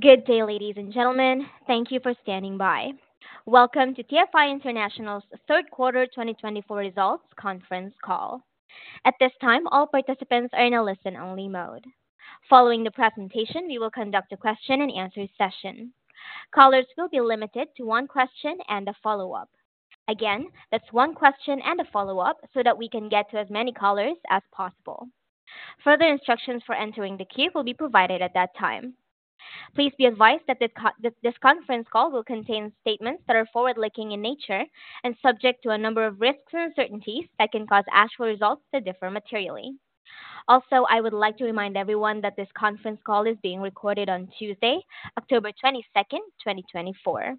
Good day, ladies and gentlemen. Thank you for standing by. Welcome to TFI International's third quarter twenty twenty-four results conference call. At this time, all participants are in a listen-only mode. Following the presentation, we will conduct a question and answer session. Callers will be limited to one question and a follow-up. Again, that's one question and a follow-up so that we can get to as many callers as possible. Further instructions for entering the queue will be provided at that time. Please be advised that this conference call will contain statements that are forward-looking in nature and subject to a number of risks and uncertainties that can cause actual results to differ materially. Also, I would like to remind everyone that this conference call is being recorded on Tuesday, October twenty-second, twenty twenty-four.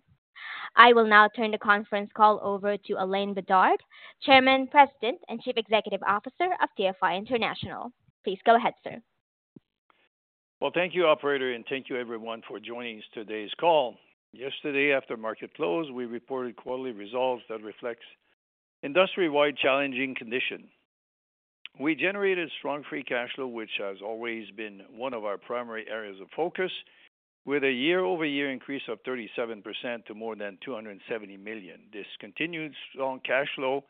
I will now turn the conference call over to Alain Bédard, Chairman, President, and Chief Executive Officer of TFI International. Please go ahead, sir. Thank you, operator, and thank you everyone for joining today's call. Yesterday, after market close, we reported quarterly results that reflect industry-wide challenging conditions. We generated strong free cash flow, which has always been one of our primary areas of focus, with a year-over-year increase of 37% to more than $270 million. This continued strong cash flow,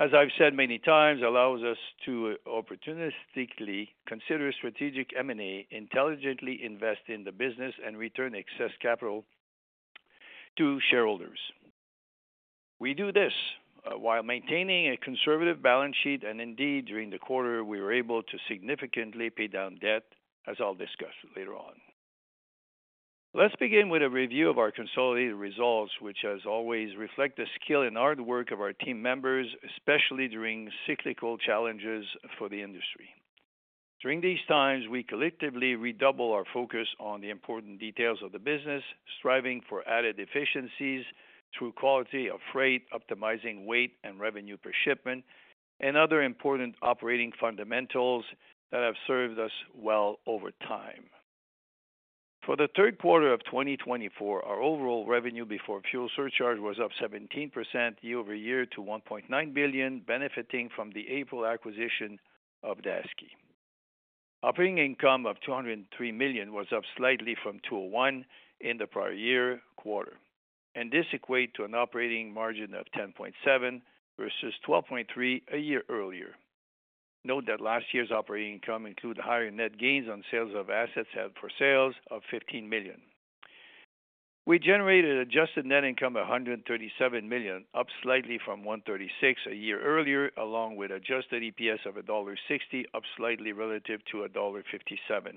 as I've said many times, allows us to opportunistically consider strategic M&A, intelligently invest in the business, and return excess capital to shareholders. We do this while maintaining a conservative balance sheet, and indeed, during the quarter, we were able to significantly pay down debt, as I'll discuss later on. Let's begin with a review of our consolidated results, which as always, reflect the skill and hard work of our team members, especially during cyclical challenges for the industry. During these times, we collectively redouble our focus on the important details of the business, striving for added efficiencies through quality of freight, optimizing weight and revenue per shipment, and other important operating fundamentals that have served us well over time. For the third quarter of 2024, our overall revenue before fuel surcharge was up 17% year over year to $1.9 billion, benefiting from the April acquisition of Daseke. Operating income of $203 million was up slightly from $201 in the prior year quarter, and this equate to an operating margin of 10.7% versus 12.3% a year earlier. Note that last year's operating income include higher net gains on sales of assets held for sales of $15 million. We generated adjusted net income of $137 million, up slightly from $136 million a year earlier, along with adjusted EPS of $1.60, up slightly relative to $1.57.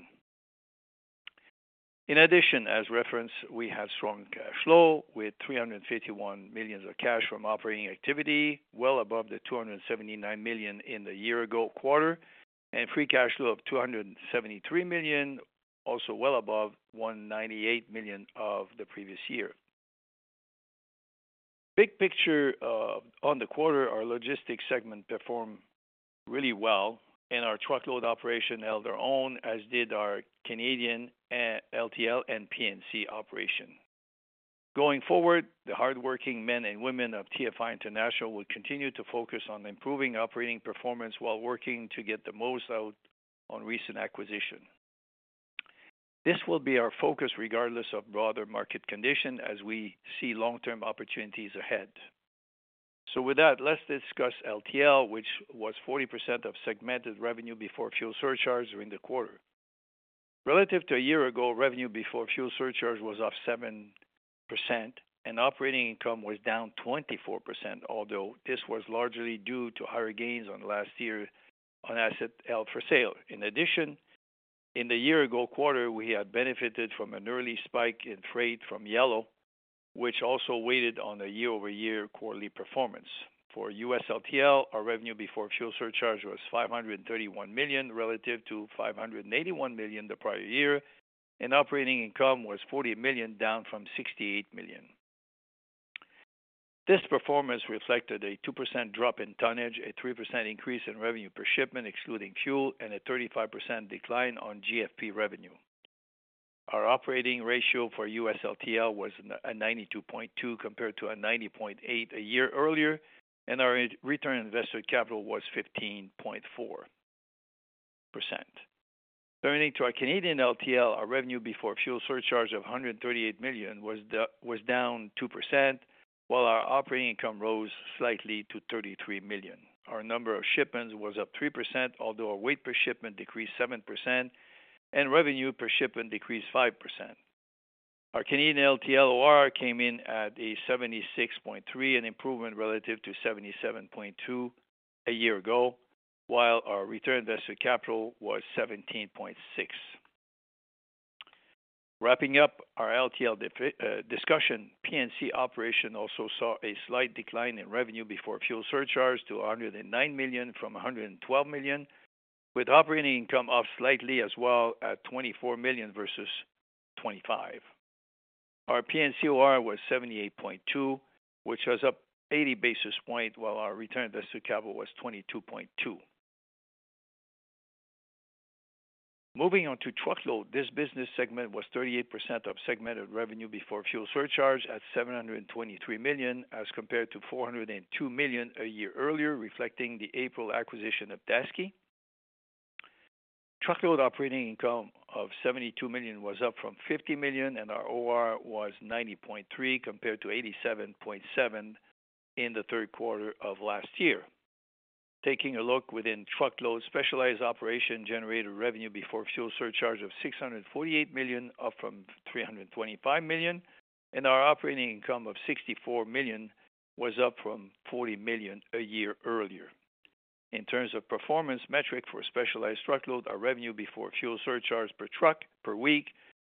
In addition, as referenced, we have strong cash flow with $351 million of cash from operating activity, well above the $279 million in the year-ago quarter, and free cash flow of $273 million, also well above $198 million of the previous year. Big picture, on the quarter, our logistics segment performed really well, and our truckload operation held their own, as did our Canadian, LTL and P&C operation. Going forward, the hardworking men and women of TFI International will continue to focus on improving operating performance while working to get the most out on recent acquisition. This will be our focus regardless of broader market condition as we see long-term opportunities ahead. So with that, let's discuss LTL, which was 40% of segmented revenue before fuel surcharge during the quarter. Relative to a year ago, revenue before fuel surcharge was off 7% and operating income was down 24%, although this was largely due to higher gains on last year on asset held for sale. In addition, in the year ago quarter, we had benefited from an early spike in freight from Yellow, which also weighed on a year-over-year quarterly performance. For U.S. LTL, our revenue before fuel surcharge was $531 million, relative to $581 million the prior year, and operating income was $40 million, down from $68 million. This performance reflected a 2% drop in tonnage, a 3% increase in revenue per shipment, excluding fuel, and a 35% decline on GFP revenue. Our operating ratio for U.S. LTL was a 92.2, compared to a 90.8 a year earlier, and our return on invested capital was 15.4%. Turning to our Canadian LTL, our revenue before fuel surcharge of 138 million was down 2%, while our operating income rose slightly to 33 million. Our number of shipments was up 3%, although our weight per shipment decreased 7% and revenue per shipment decreased 5%. Our Canadian LTL OR came in at a 76.3, an improvement relative to 77.2 a year ago, while our return invested capital was 17.6. Wrapping up our LTL discussion, P&C operation also saw a slight decline in revenue before fuel surcharge to $109 million from $112 million, with operating income up slightly as well at $24 million versus $25 million. Our P&C OR was 78.2, which was up 80 basis points, while our return on invested capital was 22.2. Moving on to truckload. This business segment was 38% of segment revenue before fuel surcharge at $723 million, as compared to $402 million a year earlier, reflecting the April acquisition of Daseke. Truckload operating income of $72 million was up from $50 million, and our OR was 90.3, compared to 87.7 in the third quarter of last year. Taking a look within truckload, specialized operation generated revenue before fuel surcharge of $648 million, up from $325 million, and our operating income of $64 million was up from $40 million a year earlier. In terms of performance metric for specialized truckload, our revenue before fuel surcharge per truck per week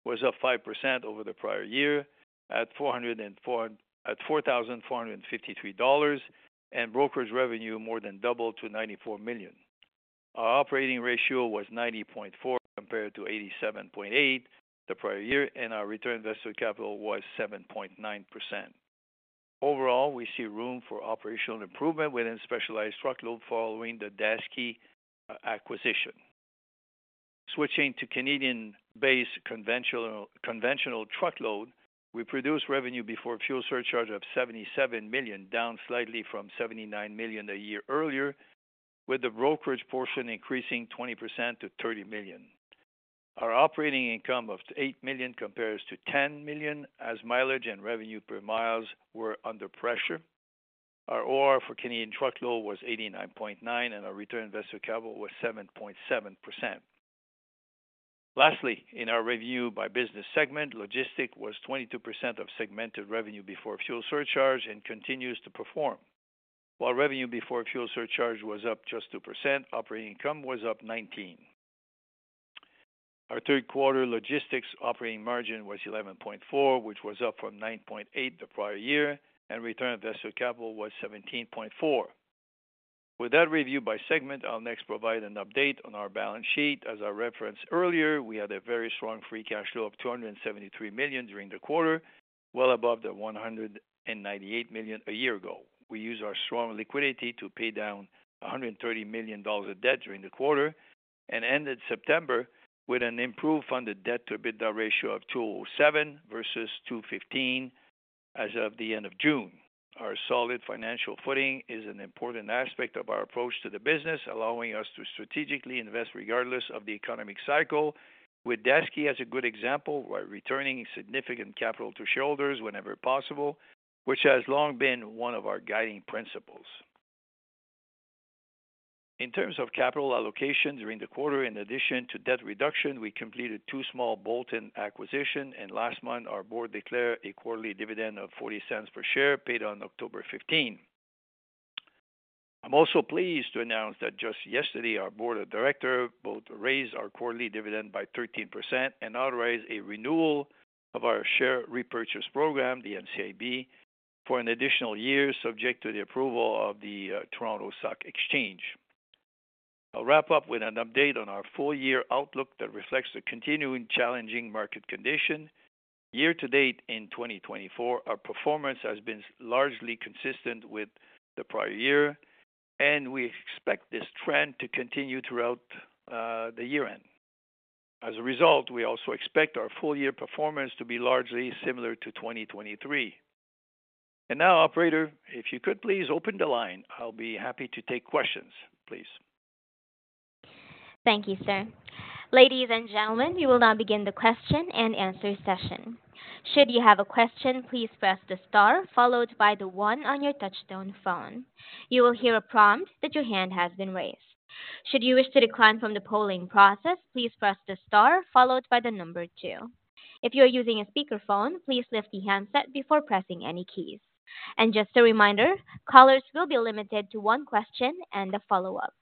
was up 5% over the prior year at $4,453, and brokerage revenue more than doubled to $94 million. Our operating ratio was 90.4, compared to 87.8 the prior year, and our return on invested capital was 7.9%. Overall, we see room for operational improvement within specialized truckload following the Daseke acquisition. Switching to Canadian-based conventional, conventional truckload, we produced revenue before fuel surcharge of $77 million, down slightly from $79 million a year earlier, with the brokerage portion increasing 20% to $30 million. Our operating income of $8 million compares to $10 million, as mileage and revenue per miles were under pressure. Our OR for Canadian truckload was 89.9%, and our return on invested capital was 7.7%. Lastly, in our review by business segment, logistics was 22% of segmented revenue before fuel surcharge and continues to perform. While revenue before fuel surcharge was up just 2%, operating income was up 19%. Our third quarter logistics operating margin was 11.4%, which was up from 9.8% the prior year, and return on invested capital was 17.4%. With that review by segment, I'll next provide an update on our balance sheet. As I referenced earlier, we had a very strong free cash flow of $273 million during the quarter, well above the $198 million a year ago. We used our strong liquidity to pay down $130 million of debt during the quarter and ended September with an improved funded debt to EBITDA ratio of 2.77 versus 2.15 as of the end of June. Our solid financial footing is an important aspect of our approach to the business, allowing us to strategically invest regardless of the economic cycle, with Daseke as a good example, while returning significant capital to shareholders whenever possible, which has long been one of our guiding principles. In terms of capital allocation during the quarter, in addition to debt reduction, we completed two small bolt-on acquisition, and last month our board declared a quarterly dividend of $0.40 per share, paid on October 15. I'm also pleased to announce that just yesterday, our board of directors both raised our quarterly dividend by 13% and authorized a renewal of our share repurchase program, the NCIB, for an additional year, subject to the approval of the Toronto Stock Exchange. I'll wrap up with an update on our full-year outlook that reflects the continuing challenging market condition. Year to date, in 2024, our performance has been largely consistent with the prior year, and we expect this trend to continue throughout the year-end. As a result, we also expect our full-year performance to be largely similar to 2023. And now, operator, if you could please open the line. I'll be happy to take questions, please. Thank you, sir. Ladies and gentlemen, we will now begin the question-and-answer session. Should you have a question, please press the star followed by the one on your touchtone phone. You will hear a prompt that your hand has been raised. Should you wish to decline from the polling process, please press the star followed by the number two. If you are using a speakerphone, please lift the handset before pressing any keys. And just a reminder, callers will be limited to one question and a follow-up.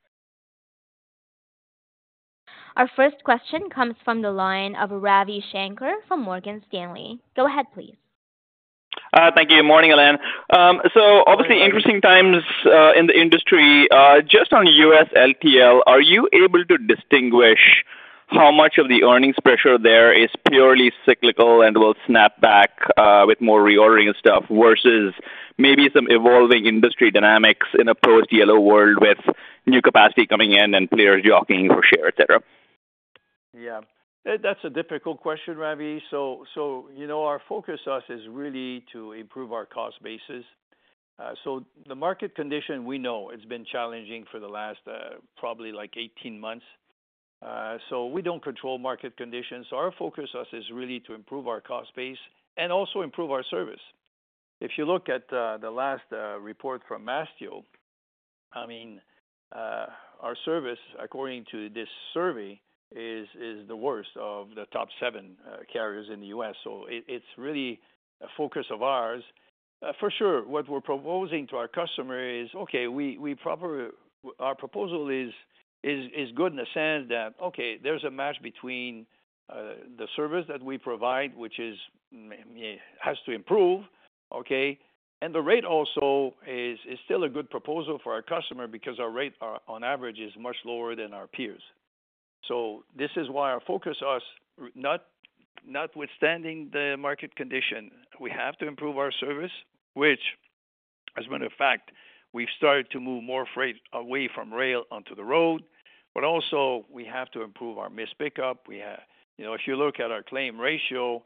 Our first question comes from the line of Ravi Shanker from Morgan Stanley. Go ahead, please. Thank you. Morning, Alain. So obviously, interesting times in the industry. Just on U.S. LTL, are you able to distinguish how much of the earnings pressure there is purely cyclical and will snap back with more reordering and stuff, versus maybe some evolving industry dynamics in a post-Yellow world with new capacity coming in and players jockeying for share, et cetera? Yeah, that, that's a difficult question, Ravi. So, you know, our focus is really to improve our cost basis. So the market condition, we know, it's been challenging for the last probably like 18 months. So we don't control market conditions. So our focus is really to improve our cost base and also improve our service. If you look at the last report from Mastio, I mean, our service, according to this survey, is the worst of the top 7 carriers in the U.S. So it, it's really a focus of ours. For sure, what we're proposing to our customer is, okay, we probably... Our proposal is good in the sense that, okay, there's a match between the service that we provide, which has to improve, okay? The rate also is still a good proposal for our customer because our rates are, on average, much lower than our peers. This is why our focus is, notwithstanding the market condition, we have to improve our service, which, as a matter of fact, we've started to move more freight away from rail onto the road. We also have to improve our missed pickup. We have. You know, if you look at our claim ratio,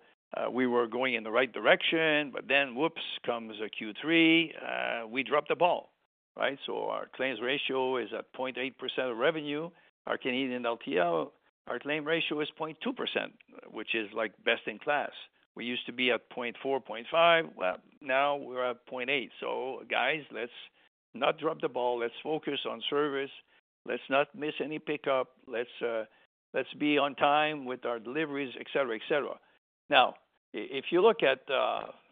we were going in the right direction, but then, whoops, comes a Q3, we dropped the ball. Right? Our claims ratio is at 0.8% of revenue. Our Canadian LTL, our claim ratio is 0.2%, which is like best in class. We used to be at 0.4%, 0.5%. Now we're at 0.8%. Guys, let's not drop the ball. Let's focus on service. Let's not miss any pickup. Let's be on time with our deliveries, et cetera, et cetera. Now, if you look at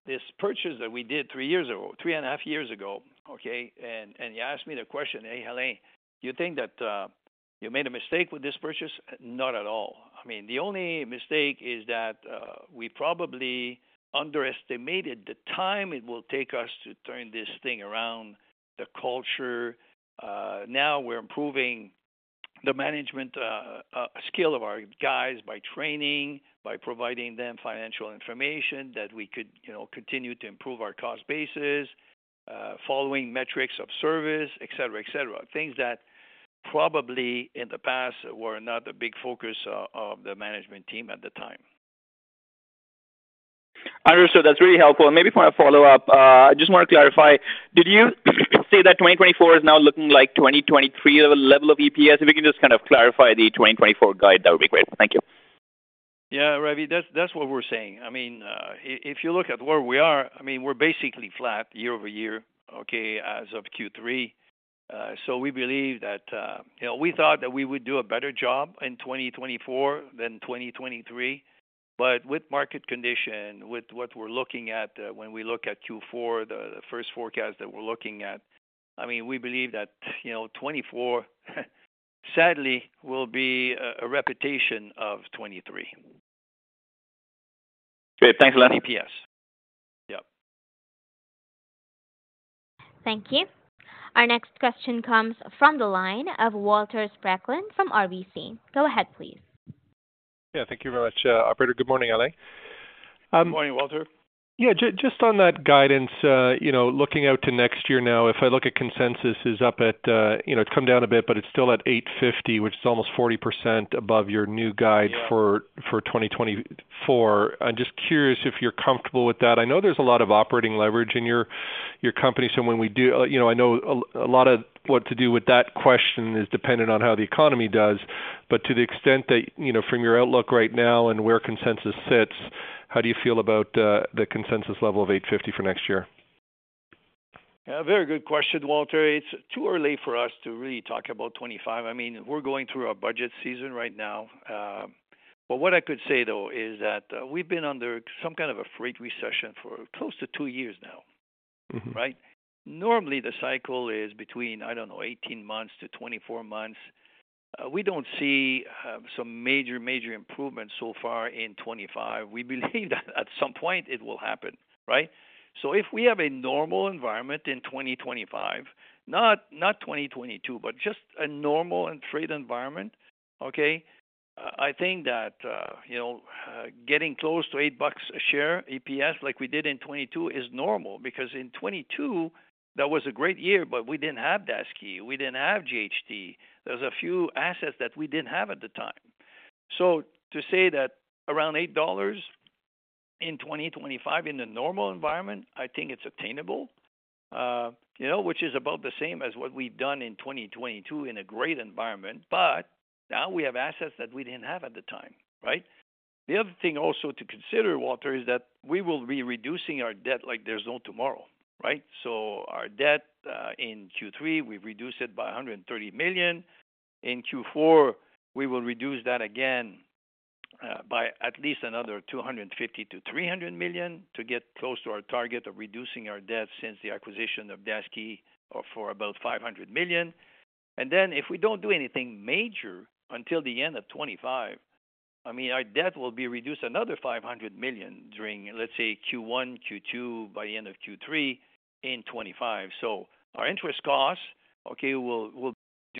this purchase that we did three years ago, three and a half years ago, okay, and you asked me the question, "Hey, Alain, do you think that you made a mistake with this purchase?" Not at all. I mean, the only mistake is that we probably underestimated the time it will take us to turn this thing around, the culture. Now we're improving the management skill of our guys by training, by providing them financial information that we could, you know, continue to improve our cost basis, following metrics of service, et cetera, et cetera. Things that probably in the past were not a big focus of the management team at the time. Understood. That's really helpful. Maybe for a follow-up, I just want to clarify: did you say that twenty twenty-four is now looking like twenty twenty-three level of EPS? If you can just kind of clarify the twenty twenty-four guide, that would be great. Thank you. Yeah, Ravi, that's what we're saying. I mean, if you look at where we are, I mean, we're basically flat year over year, okay, as of Q3. So we believe that... You know, we thought that we would do a better job in 2024 than 2023, but with market condition, with what we're looking at, when we look at Q4, the first forecast that we're looking at, I mean, we believe that, you know, 2024, sadly, will be a repetition of 2023. Great. Thanks a lot. EPS. Yep. Thank you. Our next question comes from the line of Walter Spracklen from RBC. Go ahead, please. Yeah, thank you very much, operator. Good morning, Alain. Good morning, Walter. Yeah, just on that guidance, you know, looking out to next year now, if I look at consensus is up at, you know, it's come down a bit, but it's still at $850, which is almost 40% above your new guide- Yeah... for 2024. I'm just curious if you're comfortable with that. I know there's a lot of operating leverage in your company, so when we do... you know, I know a lot of what to do with that question is dependent on how the economy does, but to the extent that, you know, from your outlook right now and where consensus sits, how do you feel about the consensus level of $8.50 for next year? Yeah, very good question, Walter. It's too early for us to really talk about twenty-five. I mean, we're going through our budget season right now. But what I could say, though, is that, we've been under some kind of a freight recession for close to two years now. Mm-hmm. Right? Normally, the cycle is between, I don't know, eighteen months to twenty-four months. We don't see some major improvements so far in twenty-five. We believe that at some point it will happen, right? So if we have a normal environment in twenty twenty-five, not twenty twenty-two, but just a normal and trade environment, okay, I think that you know getting close to $8 a share, EPS, like we did in 2022, is normal. Because in twenty twenty-two, that was a great year, but we didn't have Daseke, we didn't have JHT. There's a few assets that we didn't have at the time. So to say that around $8 in 2025 in a normal environment, I think it's attainable, you know, which is about the same as what we've done in 2022 in a great environment, but now we have assets that we didn't have at the time, right? The other thing also to consider, Walter, is that we will be reducing our debt like there's no tomorrow, right? So our debt, in Q3, we've reduced it by $130 million. In Q4, we will reduce that again, by at least another $250-$300 million to get close to our target of reducing our debt since the acquisition of Daseke, for about $500 million. And then, if we don't do anything major until the end of 2025, I mean, our debt will be reduced another $500 million during, let's say, Q1, Q2, by the end of Q3 in 2025. So our interest costs,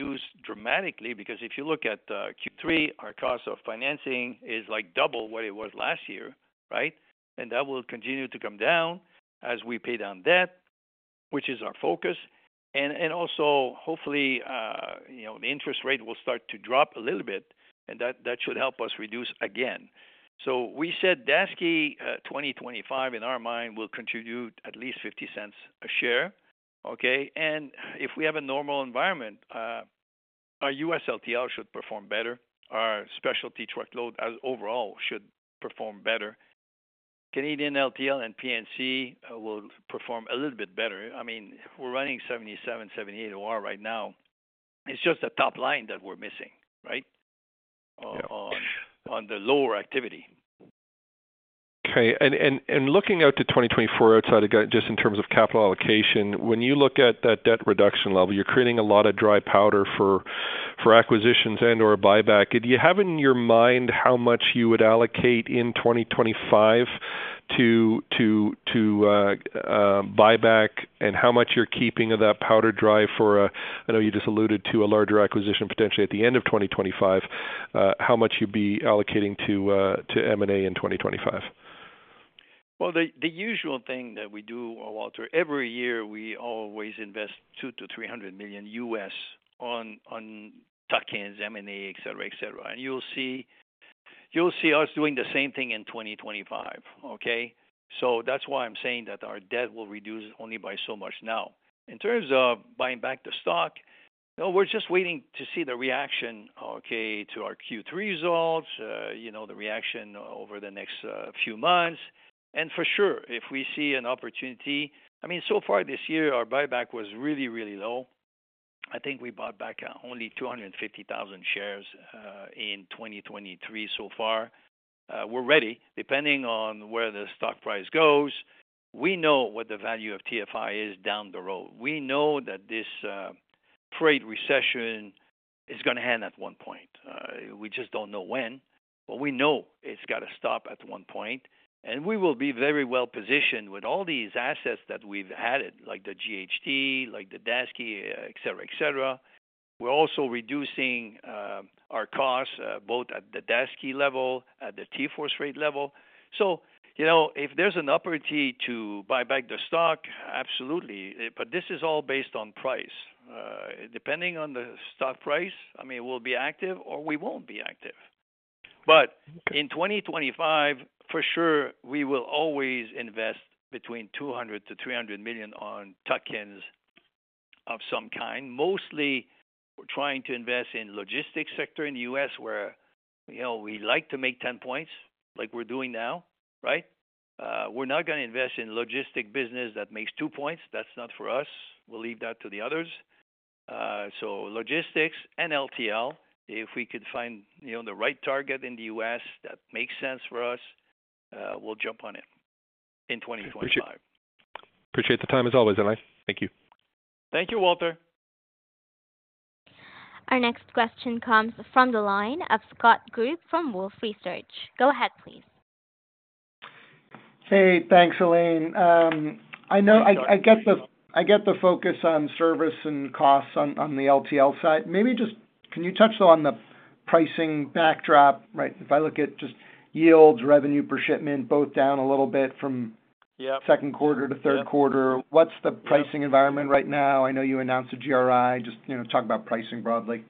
okay, will reduce dramatically, because if you look at Q3, our cost of financing is like double what it was last year, right? And that will continue to come down as we pay down debt, which is our focus. And also, hopefully, you know, the interest rate will start to drop a little bit, and that should help us reduce again. So we said Daseke, 2025, in our mind, will contribute at least $0.50 a share, okay? And if we have a normal environment, our U.S. LTL should perform better. Our specialty truckload as overall should perform better. Canadian LTL and P&C will perform a little bit better. I mean, we're running 77-78 OR right now. It's just the top line that we're missing, right? Yeah. On the lower activity. Okay. And looking out to 2024, outside of... Just in terms of capital allocation, when you look at that debt reduction level, you're creating a lot of dry powder for acquisitions and/or a buyback. Do you have in your mind how much you would allocate in 2025 to buyback and how much you're keeping of that powder dry for? I know you just alluded to a larger acquisition, potentially at the end of 2025, how much you'd be allocating to M&A in 2025? The usual thing that we do, Walter, every year, we always invest $200 million-$300 million on tuck-ins, M&A, et cetera, et cetera. You'll see us doing the same thing in 2025, okay? So that's why I'm saying that our debt will reduce only by so much. Now, in terms of buying back the stock, now we're just waiting to see the reaction, okay, to our Q3 results, you know, the reaction over the next few months. And for sure, if we see an opportunity, I mean, so far this year, our buyback was really, really low. I think we bought back only 250,000 shares in 2023 so far. We're ready, depending on where the stock price goes. We know what the value of TFI is down the road. We know that this, freight recession is gonna end at one point. We just don't know when, but we know it's got to stop at one point, and we will be very well-positioned with all these assets that we've added, like the JHT, like the Daseke, et cetera, et cetera. We're also reducing, our costs, both at the Daseke level, at the TForce Freight level. So, you know, if there's an opportunity to buy back the stock, absolutely. But this is all based on price. Depending on the stock price, I mean, we'll be active or we won't be active. But in 2025, for sure, we will always invest between $200-300 million on tuck-ins of some kind. Mostly, we're trying to invest in logistics sector in the U.S., where, you know, we like to make 10% like we're doing now, right? We're not gonna invest in logistics business that makes 2%. That's not for us. We'll leave that to the others. So logistics and LTL, if we could find, you know, the right target in the US that makes sense for us, we'll jump on it in 2025. Appreciate the time as always, Alain. Thank you. Thank you, Walter. Our next question comes from the line of Scott Group from Wolfe Research. Go ahead, please. Hey, thanks, Elaine. I know I get the focus on service and costs on the LTL side. Maybe just... Can you touch on the pricing backdrop, right? If I look at just yields, revenue per shipment, both down a little bit from- Yeah. Second quarter to third quarter, what's the pricing environment right now? I know you announced the GRI, just, you know, talk about pricing broadly.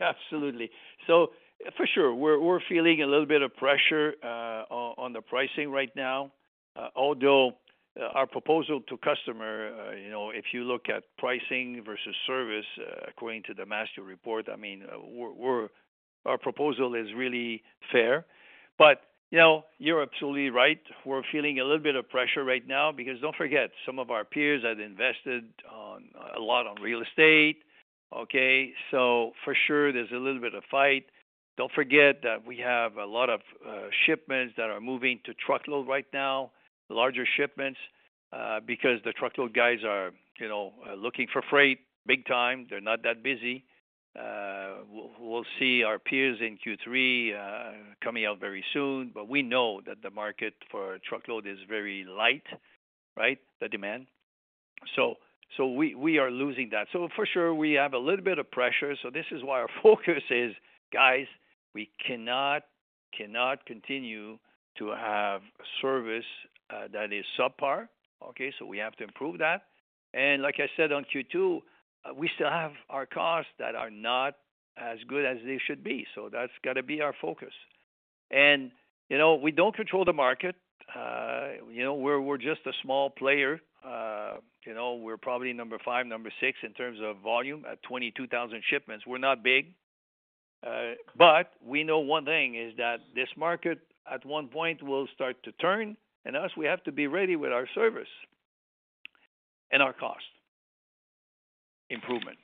Absolutely. So for sure, we're feeling a little bit of pressure on the pricing right now. Although our proposal to customer, you know, if you look at pricing versus service according to the Mastio report, I mean, our proposal is really fair. But you know, you're absolutely right. We're feeling a little bit of pressure right now because don't forget, some of our peers have invested a lot on real estate, okay? So for sure, there's a little bit of fight. Don't forget that we have a lot of shipments that are moving to truckload right now, larger shipments because the truckload guys are, you know, looking for freight big time. They're not that busy. We'll see our peers in Q3 coming out very soon, but we know that the market for truckload is very light, right? The demand. So we are losing that. So for sure, we have a little bit of pressure, so this is why our focus is, guys, we cannot continue to have service that is subpar, okay? So we have to improve that. And like I said, on Q2, we still have our costs that are not as good as they should be, so that's got to be our focus. And, you know, we don't control the market. You know, we're just a small player. You know, we're probably number five, number six, in terms of volume at 22,000 shipments. We're not big, but we know one thing is that this market, at one point, will start to turn, and us, we have to be ready with our service and our cost improvement.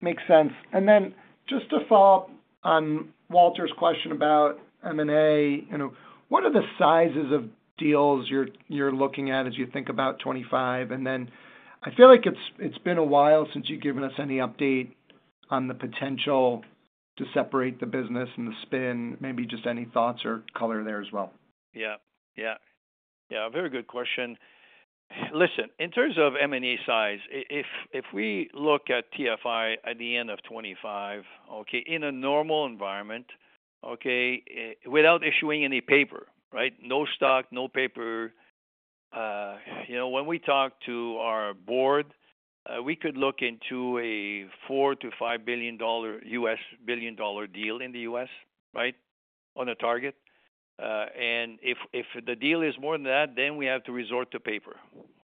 Makes sense and then just to follow up on Walter's question about M&A, you know, what are the sizes of deals you're looking at as you think about 2025? And then, I feel like it's been a while since you've given us any update on the potential to separate the business and the spin. Maybe just any thoughts or color there as well. Yeah, yeah. Yeah, very good question. Listen, in terms of M&A size, if we look at TFI at the end of 2025, okay, in a normal environment, okay, without issuing any paper, right? No stock, no paper. You know, when we talk to our board, we could look into a $4 billion-$5 billion deal in the U.S., right? On a target. And if the deal is more than that, then we have to resort to paper,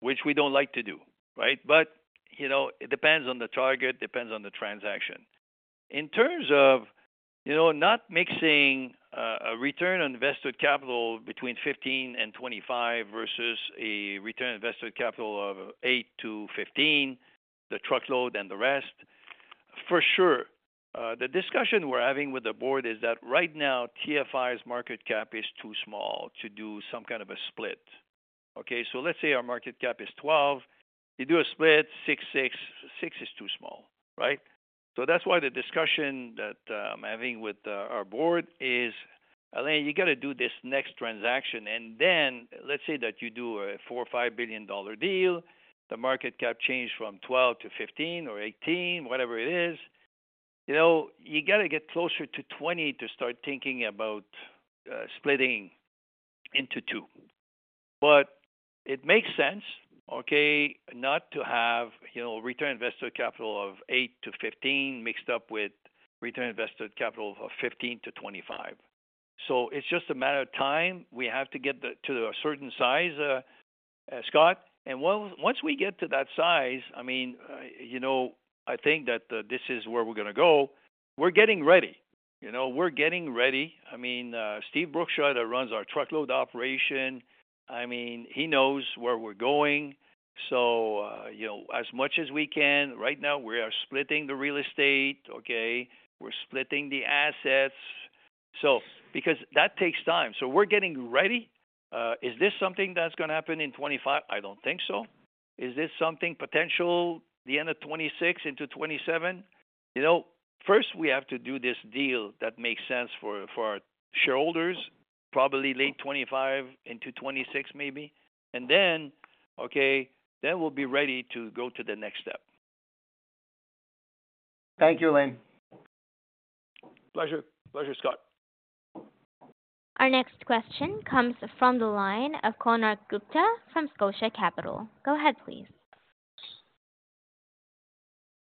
which we don't like to do, right? But, you know, it depends on the target, depends on the transaction. In terms of, you know, not mixing, a return on invested capital between 15 and 25 versus a return on invested capital of 8 to 15, the truckload and the rest, for sure, the discussion we're having with the board is that right now, TFI's market cap is too small to do some kind of a split, okay? So let's say our market cap is 12, you do a split, 6, 6, 6 is too small, right? So that's why the discussion that, I'm having with, our board is, "Alain, you got to do this next transaction, and then let's say that you do a $4 or $5 billion dollar deal, the market cap changed from 12 to 15 or 18, whatever it is, you know, you got to get closer to 20 to start thinking about, splitting into two."... But it makes sense, okay, not to have, you know, return on invested capital of eight to 15 mixed up with return on invested capital of 15-25. So it's just a matter of time. We have to get to a certain size, Scott, and well, once we get to that size, I mean, you know, I think that, this is where we're gonna go. We're getting ready, you know, we're getting ready. I mean, Steve Brookshire, that runs our truckload operation, I mean, he knows where we're going. So, you know, as much as we can right now, we are splitting the real estate, okay? We're splitting the assets. So because that takes time, so we're getting ready. Is this something that's gonna happen in 2025? I don't think so. Is this something potential, the end of 2026 into 2027? You know, first, we have to do this deal that makes sense for our shareholders, probably late 2025 into 2026, maybe, and then, okay, then we'll be ready to go to the next step. Thank you, Alain. Pleasure. Pleasure, Scott. Our next question comes from the line of Kunal Gupta from Scotia Capital. Go ahead, please.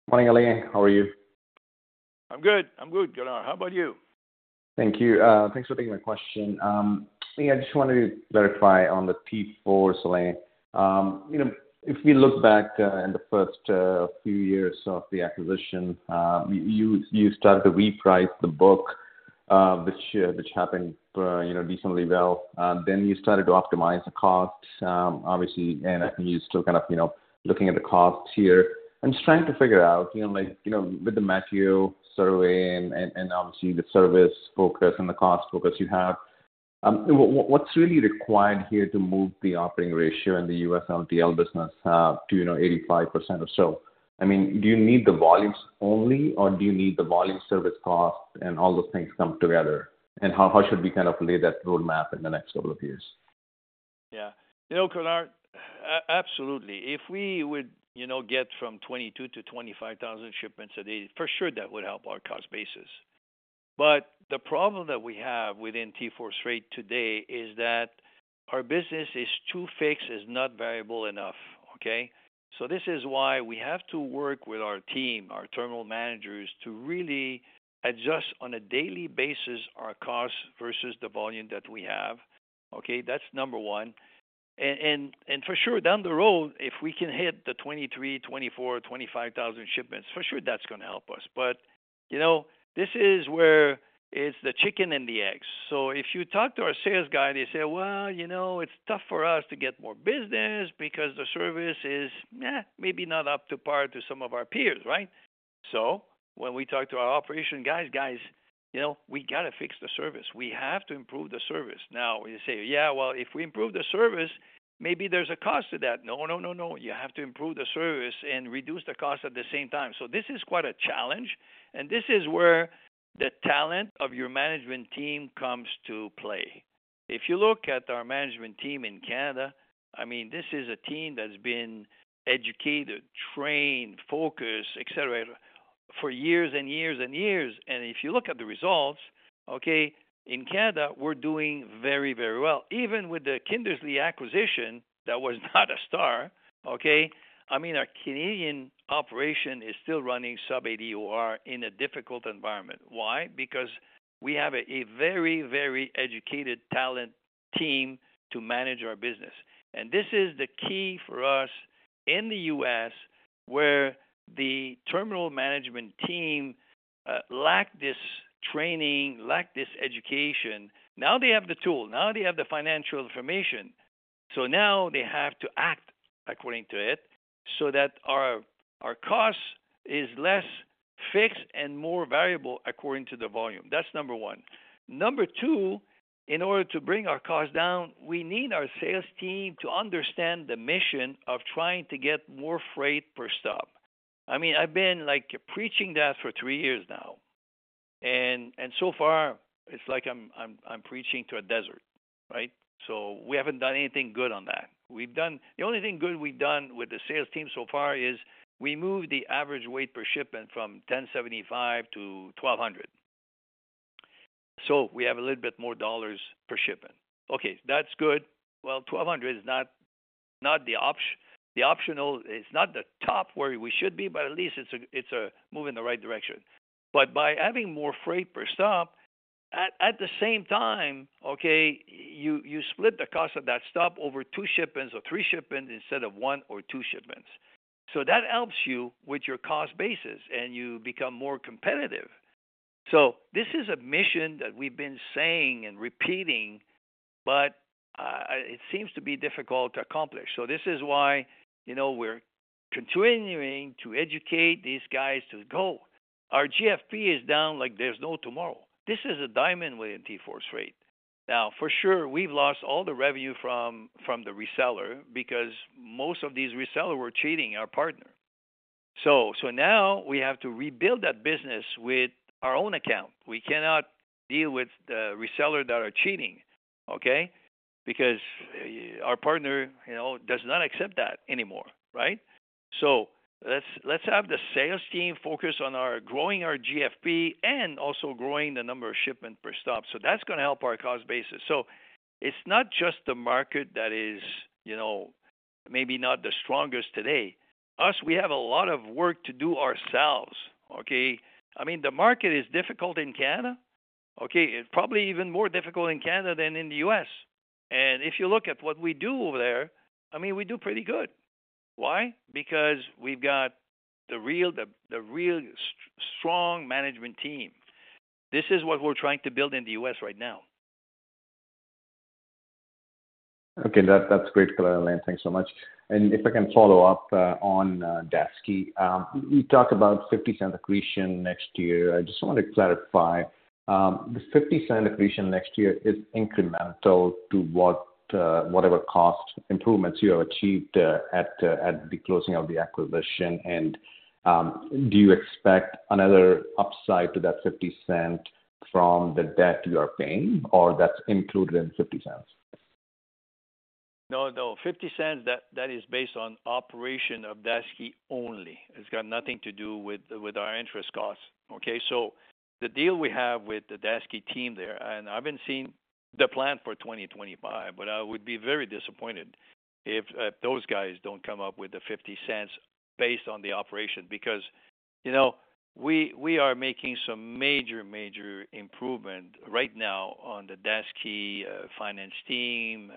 Morning, Alain. How are you? I'm good. I'm good, Kunal. How about you? Thank you. Thanks for taking my question. I just wanted to verify on the TForce, so Alain. You know, if we look back in the first few years of the acquisition, you started to reprice the book, which happened, you know, decently well. Then you started to optimize the cost, obviously, and I think you still kind of, you know, looking at the costs here. I'm just trying to figure out, you know, like, with the Mastio survey and obviously the service focus and the cost focus you have, what's really required here to move the operating ratio in the U.S. LTL business to 85% or so? I mean, do you need the volumes only, or do you need the volume service cost and all those things come together, and how, how should we kind of lay that roadmap in the next couple of years? Yeah. You know, Kunal, absolutely. If we would, you know, get from 22,000-25,000 shipments a day, for sure, that would help our cost basis. But the problem that we have within TForce Freight today is that our business is too fixed, is not variable enough, okay? So this is why we have to work with our team, our terminal managers, to really adjust on a daily basis, our costs versus the volume that we have, okay? That's number one. And for sure, down the road, if we can hit the 23, 24, 25,000 shipments, for sure, that's gonna help us. But, you know, this is where it's the chicken and the egg. So if you talk to our sales guy, they say, "Well, you know, it's tough for us to get more business because the service is maybe not up to par to some of our peers," right? So when we talk to our operation guys, "Guys, you know, we got to fix the service. We have to improve the service." Now, you say, "Yeah, well, if we improve the service, maybe there's a cost to that." No, no, no, no. You have to improve the service and reduce the cost at the same time. So this is quite a challenge, and this is where the talent of your management team comes to play. If you look at our management team in Canada, I mean, this is a team that's been educated, trained, focused, et cetera, for years and years and years. And if you look at the results, okay, in Canada, we're doing very, very well. Even with the Kindersley acquisition, that was not a star, okay? I mean, our Canadian operation is still running sub-90 OR in a difficult environment. Why? Because we have a very, very educated talented team to manage our business. And this is the key for us in the US, where the terminal management team lack this training, lack this education. Now, they have the tool, now they have the financial information. So now they have to act according to it so that our cost is less fixed and more variable according to the volume. That's number one. Number two, in order to bring our costs down, we need our sales team to understand the mission of trying to get more freight per stop. I mean, I've been, like, preaching that for three years now, and so far, it's like I'm preaching to a desert, right? So we haven't done anything good on that. We've done... The only thing good we've done with the sales team so far is we moved the average weight per shipment from 1,075 to 1,200. So we have a little bit more dollars per shipment. Okay, that's good. Well, 1,200 is not the optimal, it's not the top where we should be, but at least it's a move in the right direction. But by having more freight per stop, at the same time, okay, you split the cost of that stop over two shipments or three shipments instead of one or two shipments. So that helps you with your cost basis, and you become more competitive. So this is a mission that we've been saying and repeating, but it seems to be difficult to accomplish. So this is why, you know, we're continuing to educate these guys to go. Our GFP is down like there's no tomorrow. This is dying away in TForce Freight. Now, for sure, we've lost all the revenue from the reseller because most of these resellers were cheating our partner. So now we have to rebuild that business with our own account. We cannot deal with the resellers that are cheating, okay? Because our partner, you know, does not accept that anymore, right? So let's have the sales team focus on growing our GFP and also growing the number of shipments per stop. So that's gonna help our cost basis. So it's not just the market that is, you know, maybe not the strongest today. Us, we have a lot of work to do ourselves, okay? I mean, the market is difficult in Canada, okay? It's probably even more difficult in Canada than in the U.S. And if you look at what we do over there, I mean, we do pretty good. Why? Because we've got the real strong management team. This is what we're trying to build in the U.S. right now. Okay, that, that's great, Alain. Thanks so much. And if I can follow up on Daseke. You talk about $0.50 accretion next year. I just want to clarify, this $0.50 accretion next year is incremental to what, whatever cost improvements you have achieved at the closing of the acquisition. And, do you expect another upside to that $0.50 from the debt you are paying, or that's included in $0.50? No, no. $0.50, that is based on operation of Daseke only. It's got nothing to do with our interest costs, okay? So the deal we have with the Daseke team there, and I've been seeing the plan for 2025, but I would be very disappointed if those guys don't come up with the $0.50 based on the operation. Because, you know, we are making some major improvement right now on the Daseke finance team.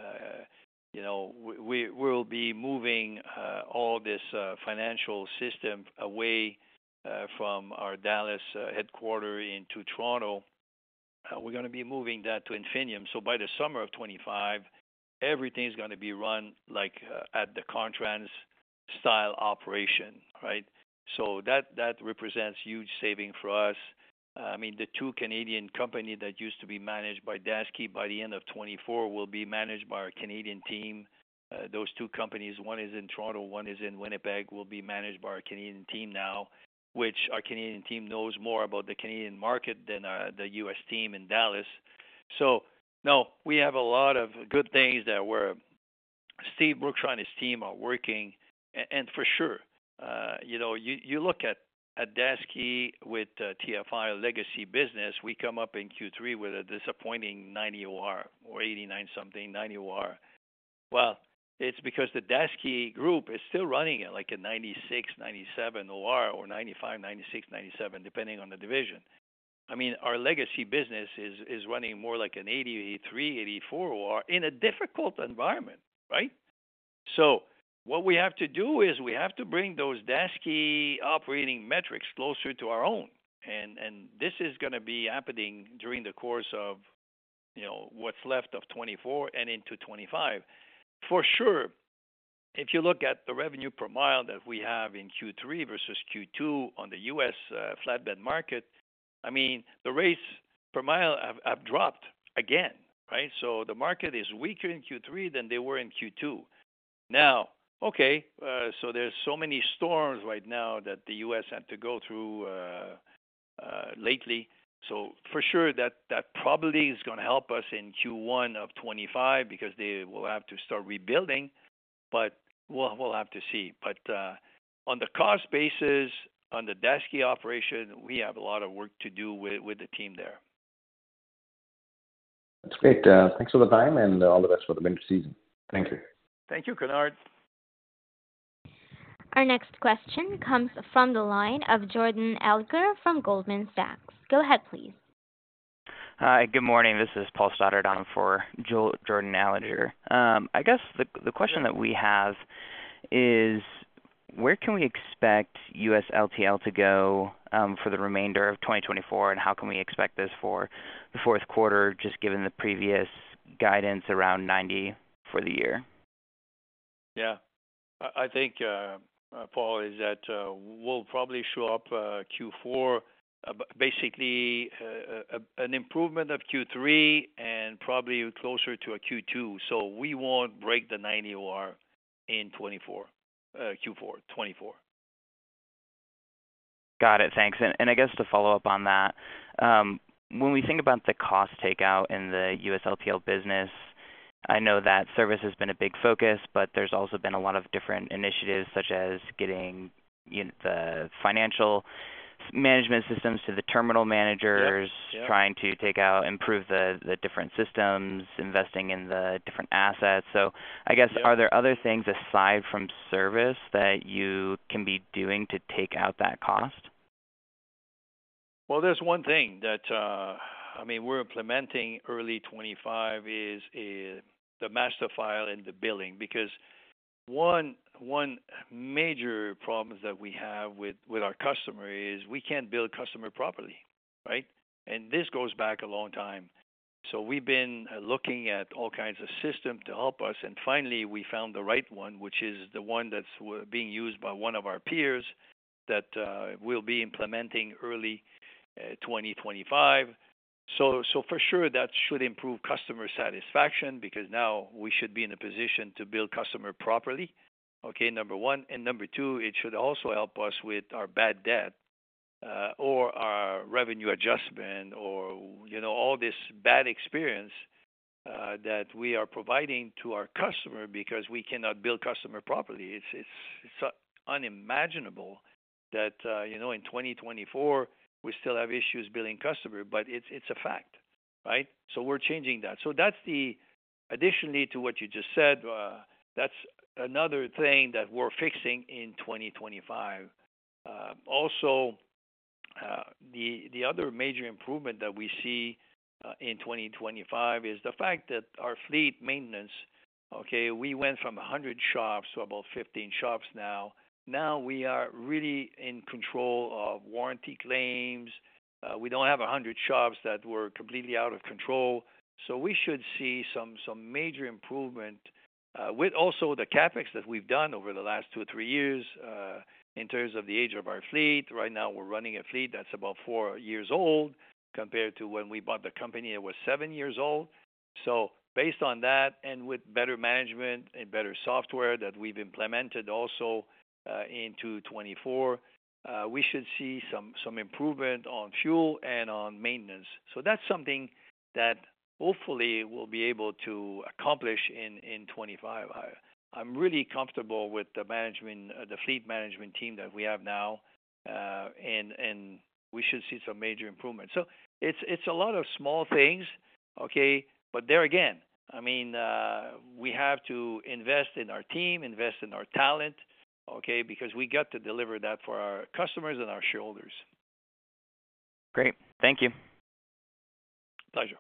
You know, we, we'll be moving all this financial system away from our Dallas headquarters into Toronto. We're gonna be moving that to Infinium. So by the summer of 2025, everything's gonna be run like at the Contrans style operation, right? So that represents huge savings for us. I mean, the two Canadian company that used to be managed by Daseke, by the end of 2024, will be managed by our Canadian team. Those two companies, one is in Toronto, one is in Winnipeg, will be managed by our Canadian team now, which our Canadian team knows more about the Canadian market than the U.S. team in Dallas. So now we have a lot of good things that we're... Steve Brookshire and his team are working. And for sure, you know, you look at Daseke with TFI legacy business, we come up in Q3 with a disappointing 90 OR or 89 something, 90 OR. It's because the Daseke group is still running at like a 96-97 OR or 95-97, depending on the division. I mean, our legacy business is running more like an 80, 83, 84 OR in a difficult environment, right? So what we have to do is, we have to bring those Daseke operating metrics closer to our own, and this is gonna be happening during the course of, you know, what's left of 2024 and into 2025. For sure, if you look at the revenue per mile that we have in Q3 versus Q2 on the U.S. flatbed market, I mean, the rates per mile have dropped again, right? So the market is weaker in Q3 than they were in Q2. Now, so there's so many storms right now that the U.S. had to go through lately. So for sure, that probably is gonna help us in Q1 of twenty-five because they will have to start rebuilding, but we'll have to see. But on the cost basis, on the Daseke operation, we have a lot of work to do with the team there. That's great. Thanks for the time and all the best for the winter season. Thank you. Thank you, Kennard. Our next question comes from the line of Jordan Alliger from Goldman Sachs. Go ahead, please. Hi, good morning. This is Paul Stoddard on for Jordan Alliger. I guess the question that we have is: where can we expect U.S. LTL to go, for the remainder of twenty twenty-four, and how can we expect this for the fourth quarter, just given the previous guidance around ninety for the year? Yeah. I think, Paul, that is, we'll probably show up Q4, basically an improvement of Q3 and probably closer to a Q2. So we won't break the 90 OR in 2024, Q4 2024. Got it. Thanks. And I guess to follow up on that, when we think about the cost takeout in the U.S. LTL business, I know that service has been a big focus, but there's also been a lot of different initiatives, such as getting in the financial management systems to the terminal managers- Yep, yep. trying to take out, improve the different systems, investing in the different assets. Yep. So I guess, are there other things aside from service that you can be doing to take out that cost? There's one thing that I mean, we're implementing early 2025 is the master file and the billing. Because one major problem that we have with our customer is, we can't bill customer properly, right? And this goes back a long time. We've been looking at all kinds of system to help us, and finally, we found the right one, which is the one that's being used by one of our peers that we'll be implementing early 2025. For sure, that should improve customer satisfaction, because now we should be in a position to bill customer properly, okay, number one. And number two, it should also help us with our bad debt or our revenue adjustment, or you know, all this bad experience that we are providing to our customer because we cannot bill customer properly. It's unimaginable that, you know, in 2024, we still have issues billing customer, but it's a fact, right? So we're changing that. So that's the... Additionally to what you just said, that's another thing that we're fixing in 2025. Also, the other major improvement that we see in 2025 is the fact that our fleet maintenance, okay, we went from 100 shops to about 15 shops now. Now we are really in control of warranty claims. We don't have 100 shops that were completely out of control. So we should see some major improvement, with also the CapEx that we've done over the last two or three years, in terms of the age of our fleet. Right now, we're running a fleet that's about four years old, compared to when we bought the company; it was seven years old. Based on that, and with better management and better software that we've implemented also into 2024, we should see some improvement on fuel and on maintenance. That's something that hopefully we'll be able to accomplish in 2025. I'm really comfortable with the management, the fleet management team that we have now, and we should see some major improvements. It's a lot of small things, okay? But there again, I mean, we have to invest in our team, invest in our talent, okay? Because we got to deliver that for our customers and our shareholders. Great. Thank you. Pleasure.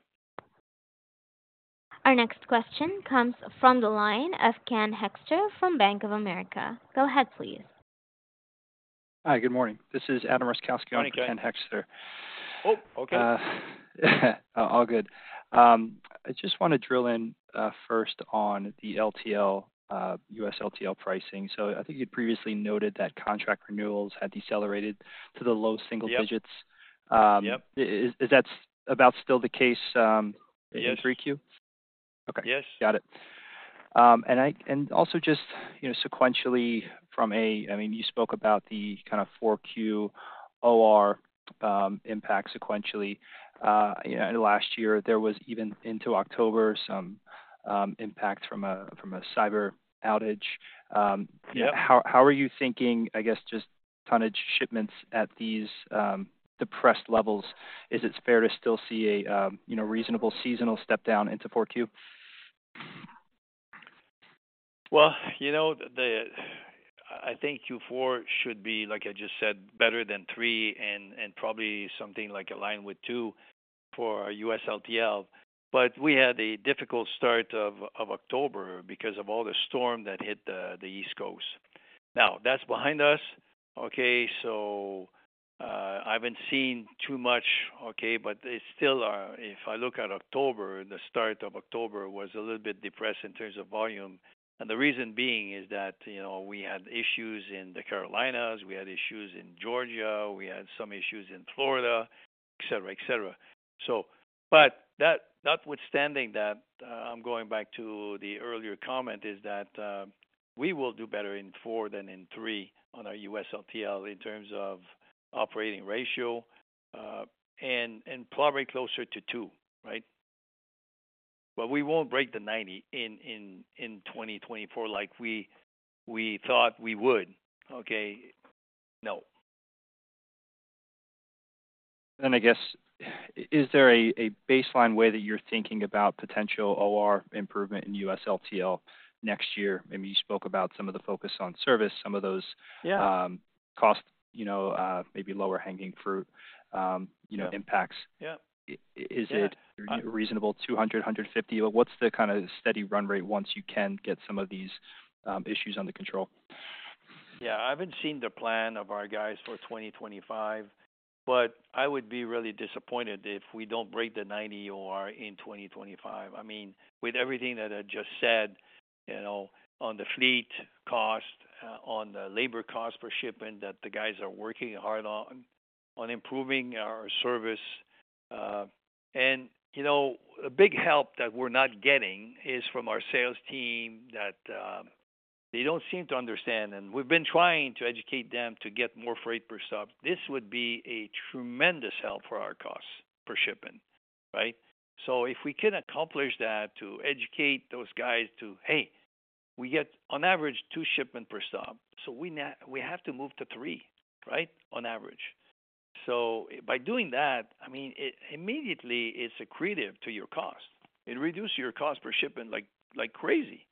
Our next question comes from the line of Ken Hoexter from Bank of America. Go ahead, please. Hi, good morning. This is Adam Roszkowski- Morning, Ken. Ken Hoexter. Oh, okay. All good. I just want to drill in first on the LTL, U.S. LTL pricing. So I think you'd previously noted that contract renewals had decelerated to the low single digits. Yep. Is that about still the case? It is... in three Q? Okay. Yes. Got it. And also just, you know, sequentially from a, I mean, you spoke about the kind of four Q OR impact sequentially. You know, and last year there was even into October, some impact from a cyber outage. Yeah. How are you thinking, I guess, just tonnage shipments at these depressed levels? Is it fair to still see a, you know, reasonable seasonal step down into four Q? Well, you know, I think Q4 should be, like I just said, better than three and probably something like a line with two for U.S. LTL. But we had a difficult start of October because of all the storm that hit the East Coast. Now, that's behind us, okay, so I haven't seen too much, okay, but it's still if I look at October, the start of October was a little bit depressed in terms of volume. And the reason being is that, you know, we had issues in the Carolinas, we had issues in Georgia, we had some issues in Florida, et cetera, et cetera. So, but that notwithstanding, I'm going back to the earlier comment, is that we will do better in four than in three on our U.S. LTL in terms of operating ratio, and probably closer to two, right? But we won't break the 90 in 2024 like we thought we would. Okay? No. Then I guess, is there a baseline way that you're thinking about potential OR improvement in U.S. LTL next year? I mean, you spoke about some of the focus on service, some of those- Yeah... costs, you know, maybe lower hanging fruit, you know- Yeah... impacts. Yeah. I- is it- Yeah... reasonable 250? What's the kind of steady run rate once you can get some of these issues under control? Yeah, I haven't seen the plan of our guys for 2025, but I would be really disappointed if we don't break the 90 OR in 2025. I mean, with everything that I just said, you know, on the fleet cost, on the labor cost per shipment, that the guys are working hard on, on improving our service. You know, a big help that we're not getting is from our sales team, that, they don't seem to understand, and we've been trying to educate them to get more freight per stop. This would be a tremendous help for our costs per shipping, right? So if we can accomplish that, to educate those guys to, "Hey, we get on average two shipment per stop, so we have to move to three, right? On average. So by doing that, I mean it immediately; it's accretive to your cost. It reduces your cost per shipping like crazy.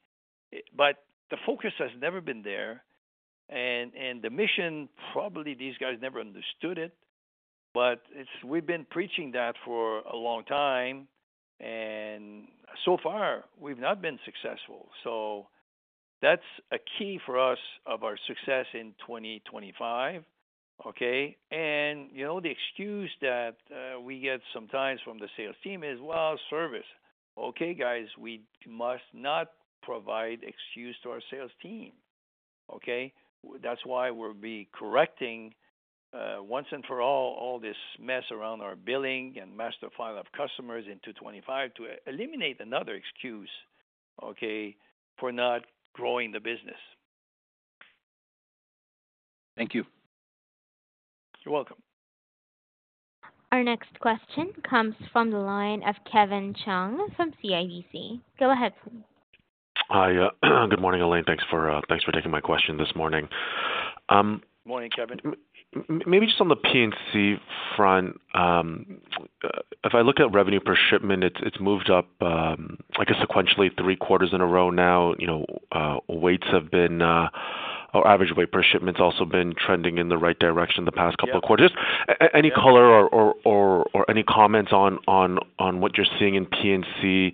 But the focus has never been there, and the mission, probably these guys never understood it, but we've been preaching that for a long time, and so far we've not been successful. So that's a key for us of our success in 2025, okay? And, you know, the excuse that we get sometimes from the sales team is, well, service. Okay, guys, we must not provide excuse to our sales team, okay? That's why we'll be correcting, once and for all, all this mess around our billing and master file of customers in 2025 to eliminate another excuse, okay, for not growing the business.... Thank you. You're welcome. Our next question comes from the line of Kevin Chiang from CIBC. Go ahead, please. Hi. Good morning, Alain. Thanks for taking my question this morning. Morning, Kevin. Maybe just on the P&C front. If I look at revenue per shipment, it's moved up, I guess, sequentially, three quarters in a row now. You know, weights have been. Our average weight per shipment has also been trending in the right direction the past couple of quarters. Yeah. Any color or any comments on what you're seeing in P&C,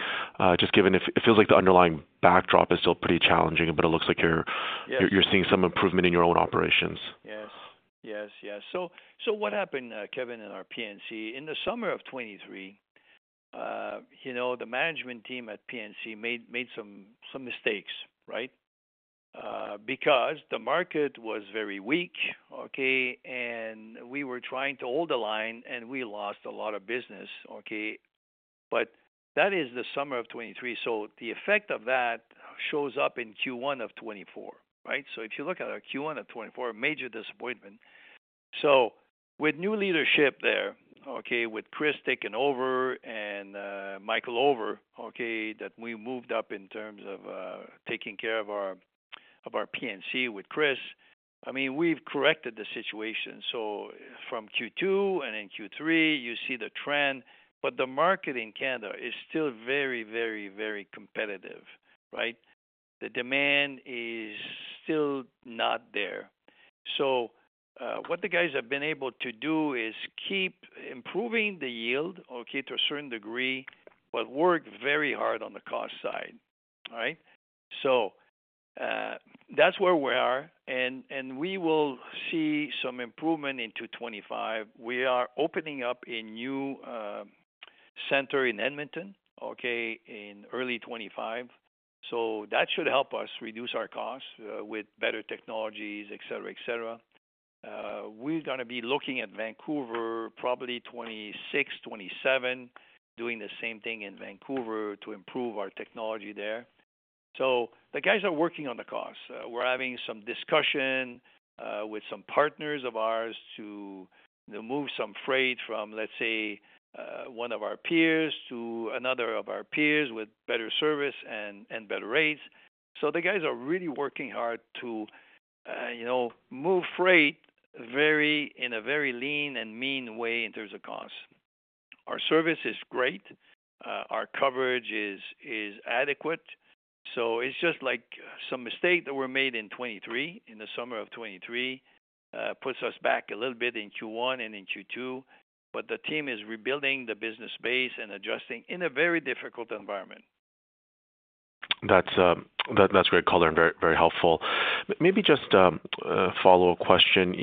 just given it, it feels like the underlying backdrop is still pretty challenging, but it looks like you're- Yes. You're seeing some improvement in your own operations. Yes. Yes, yes. So what happened, Kevin, in our P&C, in the summer of 2023, you know, the management team at P&C made some mistakes, right? Because the market was very weak, okay? And we were trying to hold the line, and we lost a lot of business, okay? But that is the summer of 2023. So the effect of that shows up in Q1 of 2024, right? So if you look at our Q1 of 2024, a major disappointment. So with new leadership there, okay, with Chris taking over and makeover, okay, that we moved up in terms of taking care of our P&C with Chris. I mean, we've corrected the situation, so from Q2 and in Q3, you see the trend, but the market in Canada is still very, very, very competitive, right? The demand is still not there. So, what the guys have been able to do is keep improving the yield, okay, to a certain degree, but work very hard on the cost side. All right? So, that's where we are, and we will see some improvement into 2025. We are opening up a new center in Edmonton, okay, in early 2025. So that should help us reduce our costs with better technologies, et cetera, et cetera. We're gonna be looking at Vancouver, probably 2026, 2027, doing the same thing in Vancouver to improve our technology there. So the guys are working on the costs. We're having some discussion with some partners of ours to move some freight from, let's say, one of our peers to another of our peers with better service and better rates. So the guys are really working hard to, you know, move freight in a very lean and mean way in terms of cost. Our service is great, our coverage is adequate, so it's just like some mistake that were made in 2023, in the summer of 2023, puts us back a little bit in Q1 and in Q2, but the team is rebuilding the business base and adjusting in a very difficult environment. That's great color and very, very helpful. Maybe just follow-up question.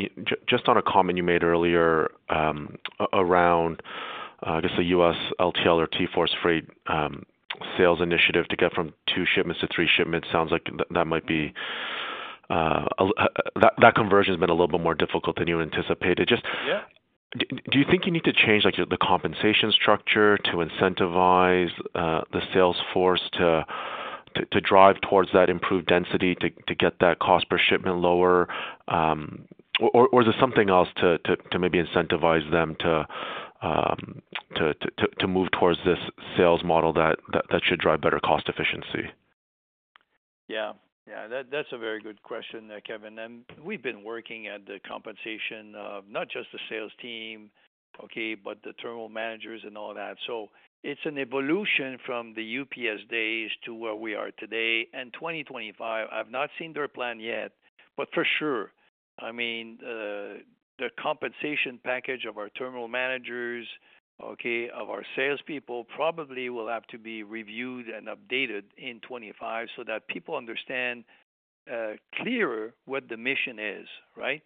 Just on a comment you made earlier, around I guess the U.S. LTL or TForce Freight sales initiative to get from two shipments to three shipments. Sounds like that conversion has been a little bit more difficult than you anticipated. Just- Yeah. Do you think you need to change, like, the compensation structure to incentivize the sales force to drive towards that improved density, to get that cost per shipment lower? Or is there something else to maybe incentivize them to move towards this sales model that should drive better cost efficiency? Yeah. Yeah, that, that's a very good question there, Kevin, and we've been working at the compensation of not just the sales team, okay, but the terminal managers and all that. So it's an evolution from the UPS days to where we are today. And twenty twenty-five, I've not seen their plan yet, but for sure, I mean, the compensation package of our terminal managers, okay, of our salespeople, probably will have to be reviewed and updated in twenty-five so that people understand clearer what the mission is, right?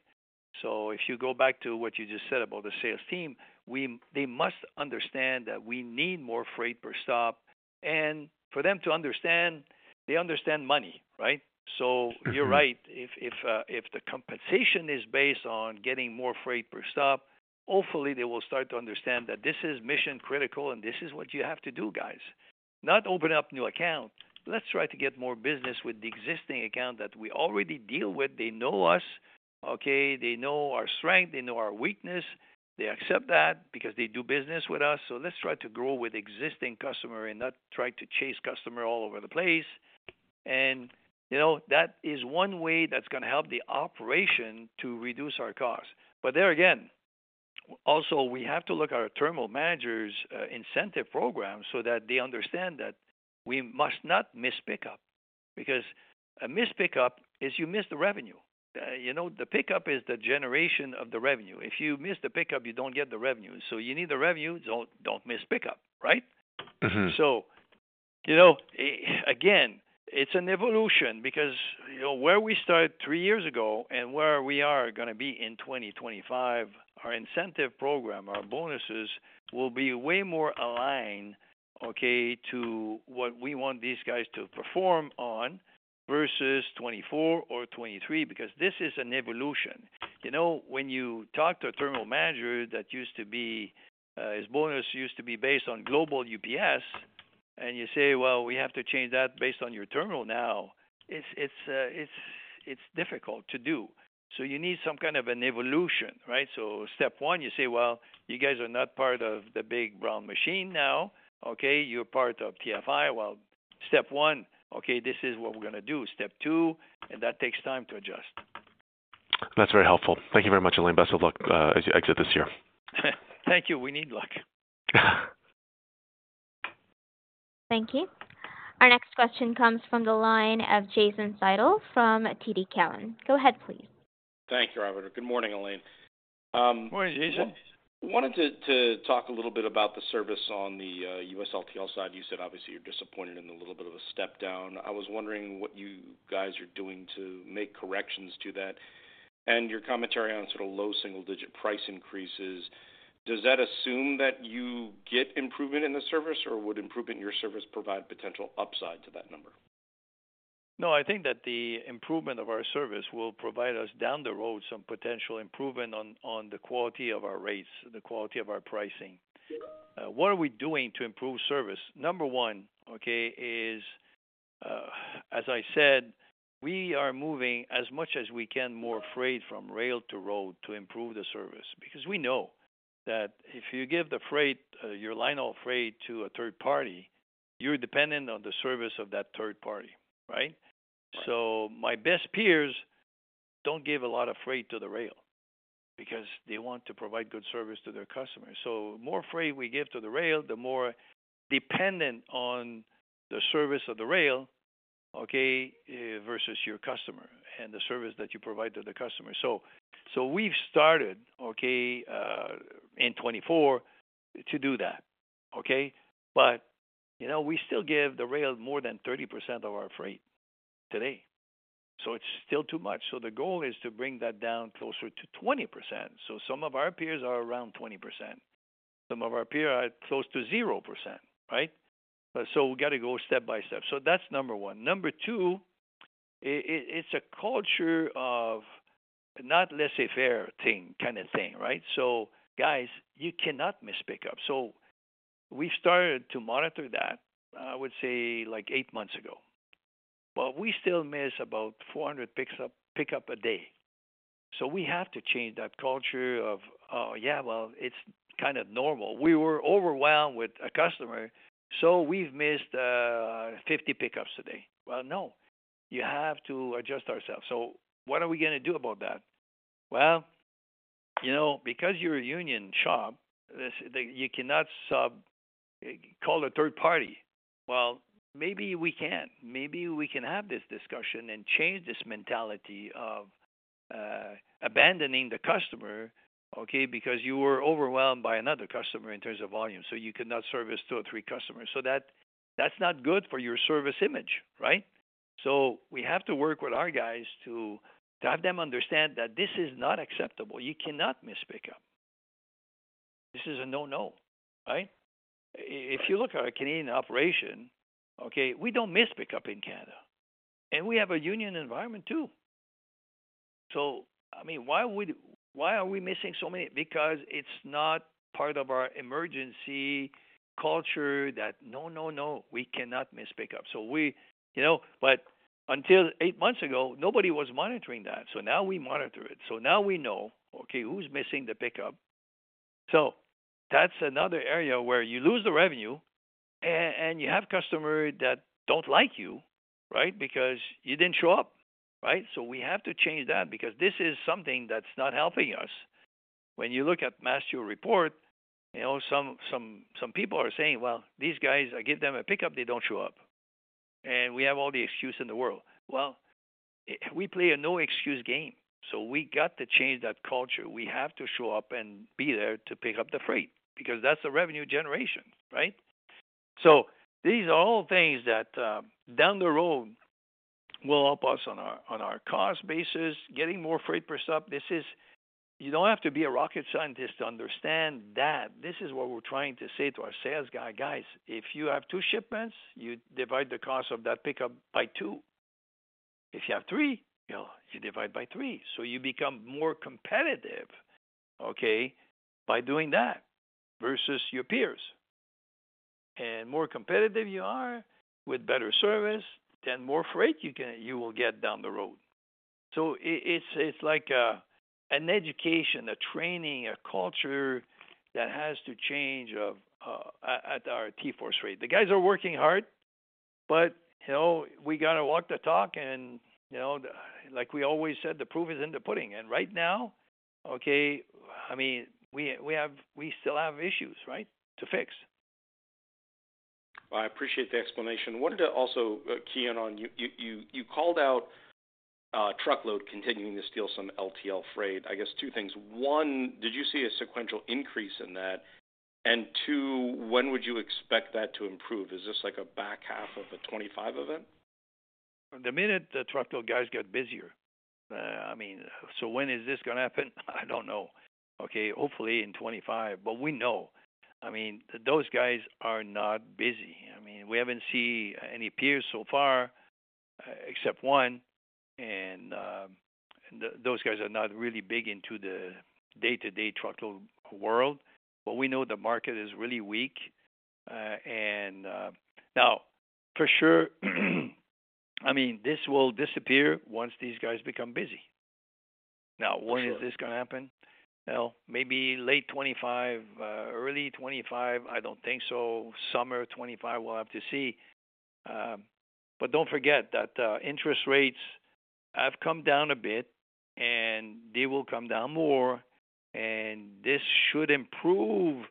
So if you go back to what you just said about the sales team, they must understand that we need more freight per stop. And for them to understand, they understand money, right? Mm-hmm. So you're right. If the compensation is based on getting more freight per stop, hopefully, they will start to understand that this is mission critical, and this is what you have to do, guys. Not open up new accounts. Let's try to get more business with the existing account that we already deal with. They know us, okay? They know our strength, they know our weakness. They accept that because they do business with us, so let's try to grow with existing customer and not try to chase customer all over the place. And, you know, that is one way that's gonna help the operation to reduce our costs. But there again, also, we have to look at our terminal managers' incentive program so that they understand that we must not miss pickup, because a missed pickup is you miss the revenue. You know, the pickup is the generation of the revenue. If you miss the pickup, you don't get the revenue. So you need the revenue, don't miss pickup, right? Mm-hmm. So, you know, again, it's an evolution because, you know, where we started three years ago and where we are gonna be in twenty twenty-five, our incentive program, our bonuses, will be way more aligned, okay, to what we want these guys to perform on versus twenty-four or twenty-three, because this is an evolution. You know, when you talk to a terminal manager that used to be, his bonus used to be based on global UPS and you say, well, we have to change that based on your terminal now, it's difficult to do. So you need some kind of an evolution, right? So step one, you say, well, you guys are not part of the Big Brown Machine now, okay, you're part of TFI. Well, step one, okay, this is what we're gonna do. Step two, and that takes time to adjust. That's very helpful. Thank you very much, Alain. Best of luck as you exit this year. Thank you. We need luck. Thank you. Our next question comes from the line of Jason Seidel from TD Cowen. Go ahead, please. Thank you, Roberta. Good morning, Alain. Good morning, Jason. Wanted to talk a little bit about the service on the U.S. LTL side. You said obviously you're disappointed in the little bit of a step down. I was wondering what you guys are doing to make corrections to that, and your commentary on sort of low single-digit price increases. Does that assume that you get improvement in the service, or would improvement in your service provide potential upside to that number? No, I think that the improvement of our service will provide us, down the road, some potential improvement on the quality of our rates, the quality of our pricing. What are we doing to improve service? Number one, okay, is, as I said, we are moving as much as we can more freight from rail to road to improve the service. Because we know that if you give the freight, your line of freight to a third party, you're dependent on the service of that third party, right? So my best peers don't give a lot of freight to the rail because they want to provide good service to their customers. So the more freight we give to the rail, the more dependent on the service of the rail, okay, versus your customer and the service that you provide to the customer. So we've started, okay, in 2024 to do that, okay? But, you know, we still give the rail more than 30% of our freight today, so it's still too much. The goal is to bring that down closer to 20%. Some of our peers are around 20%. Some of our peers are close to 0%, right? We got to go step by step. That's number one. Number two, it's a culture of not laissez-faire thing, kind of thing, right? Guys, you cannot miss pickup. We started to monitor that, I would say, like, eight months ago. But we still miss about 400 pickups a day. We have to change that culture of, "Oh, yeah, well, it's kind of normal. We were overwhelmed with a customer, so we've missed fifty pickups today." Well, no, you have to adjust ourselves. So what are we gonna do about that? Well, you know, because you're a union shop, this, you cannot call a third party. Well, maybe we can. Maybe we can have this discussion and change this mentality of abandoning the customer, okay, because you were overwhelmed by another customer in terms of volume, so you cannot service two or three customers. So that, that's not good for your service image, right? So we have to work with our guys to have them understand that this is not acceptable. You cannot miss pickup. This is a no, no, right? Right. If you look at our Canadian operation, okay, we don't miss pickup in Canada, and we have a union environment too. So, I mean, why are we missing so many? Because it's not part of our emergency culture that no, no, no, we cannot miss pickup. So we, you know, but until eight months ago, nobody was monitoring that. So now we monitor it, so now we know, okay, who's missing the pickup. So that's another area where you lose the revenue and you have customers that don't like you, right? Because you didn't show up, right? So we have to change that because this is something that's not helping us. When you look at Mastio Report, you know, some people are saying, "Well, these guys, I give them a pickup, they don't show up." And we have all the excuses in the world. We play a no excuse game, so we got to change that culture. We have to show up and be there to pick up the freight, because that's the revenue generation, right? So these are all things that, down the road, will help us on our, on our cost basis, getting more freight per stop. This is... You don't have to be a rocket scientist to understand that. This is what we're trying to say to our sales guy: "Guys, if you have two shipments, you divide the cost of that pickup by two. If you have three, you know, you divide by three." So you become more competitive, okay, by doing that versus your peers. And more competitive you are, with better service, then more freight you can- you will get down the road. So it's like an education, a training, a culture that has to change at our TForce Freight. The guys are working hard, but you know, we got to walk the talk, and you know, like we always said, the proof is in the pudding. And right now, okay, I mean, we still have issues, right? To fix. I appreciate the explanation. I wanted to also key in on, you called out, truckload continuing to steal some LTL freight. I guess two things. One, did you see a sequential increase in that? And two, when would you expect that to improve? Is this like a back half of the 2025 event? The minute the truckload guys get busier. I mean, so when is this gonna happen? I don't know. Okay, hopefully in 2025. But we know, I mean, those guys are not busy. I mean, we haven't seen any peers so far, except one, and those guys are not really big into the day-to-day truckload world. But we know the market is really weak. And now, for sure, I mean, this will disappear once these guys become busy. Now, when- For sure. Is this gonna happen? Well, maybe late 2025, early 2025, I don't think so. Summer of 2025, we'll have to see. But don't forget that, interest rates have come down a bit, and they will come down more, and this should improve,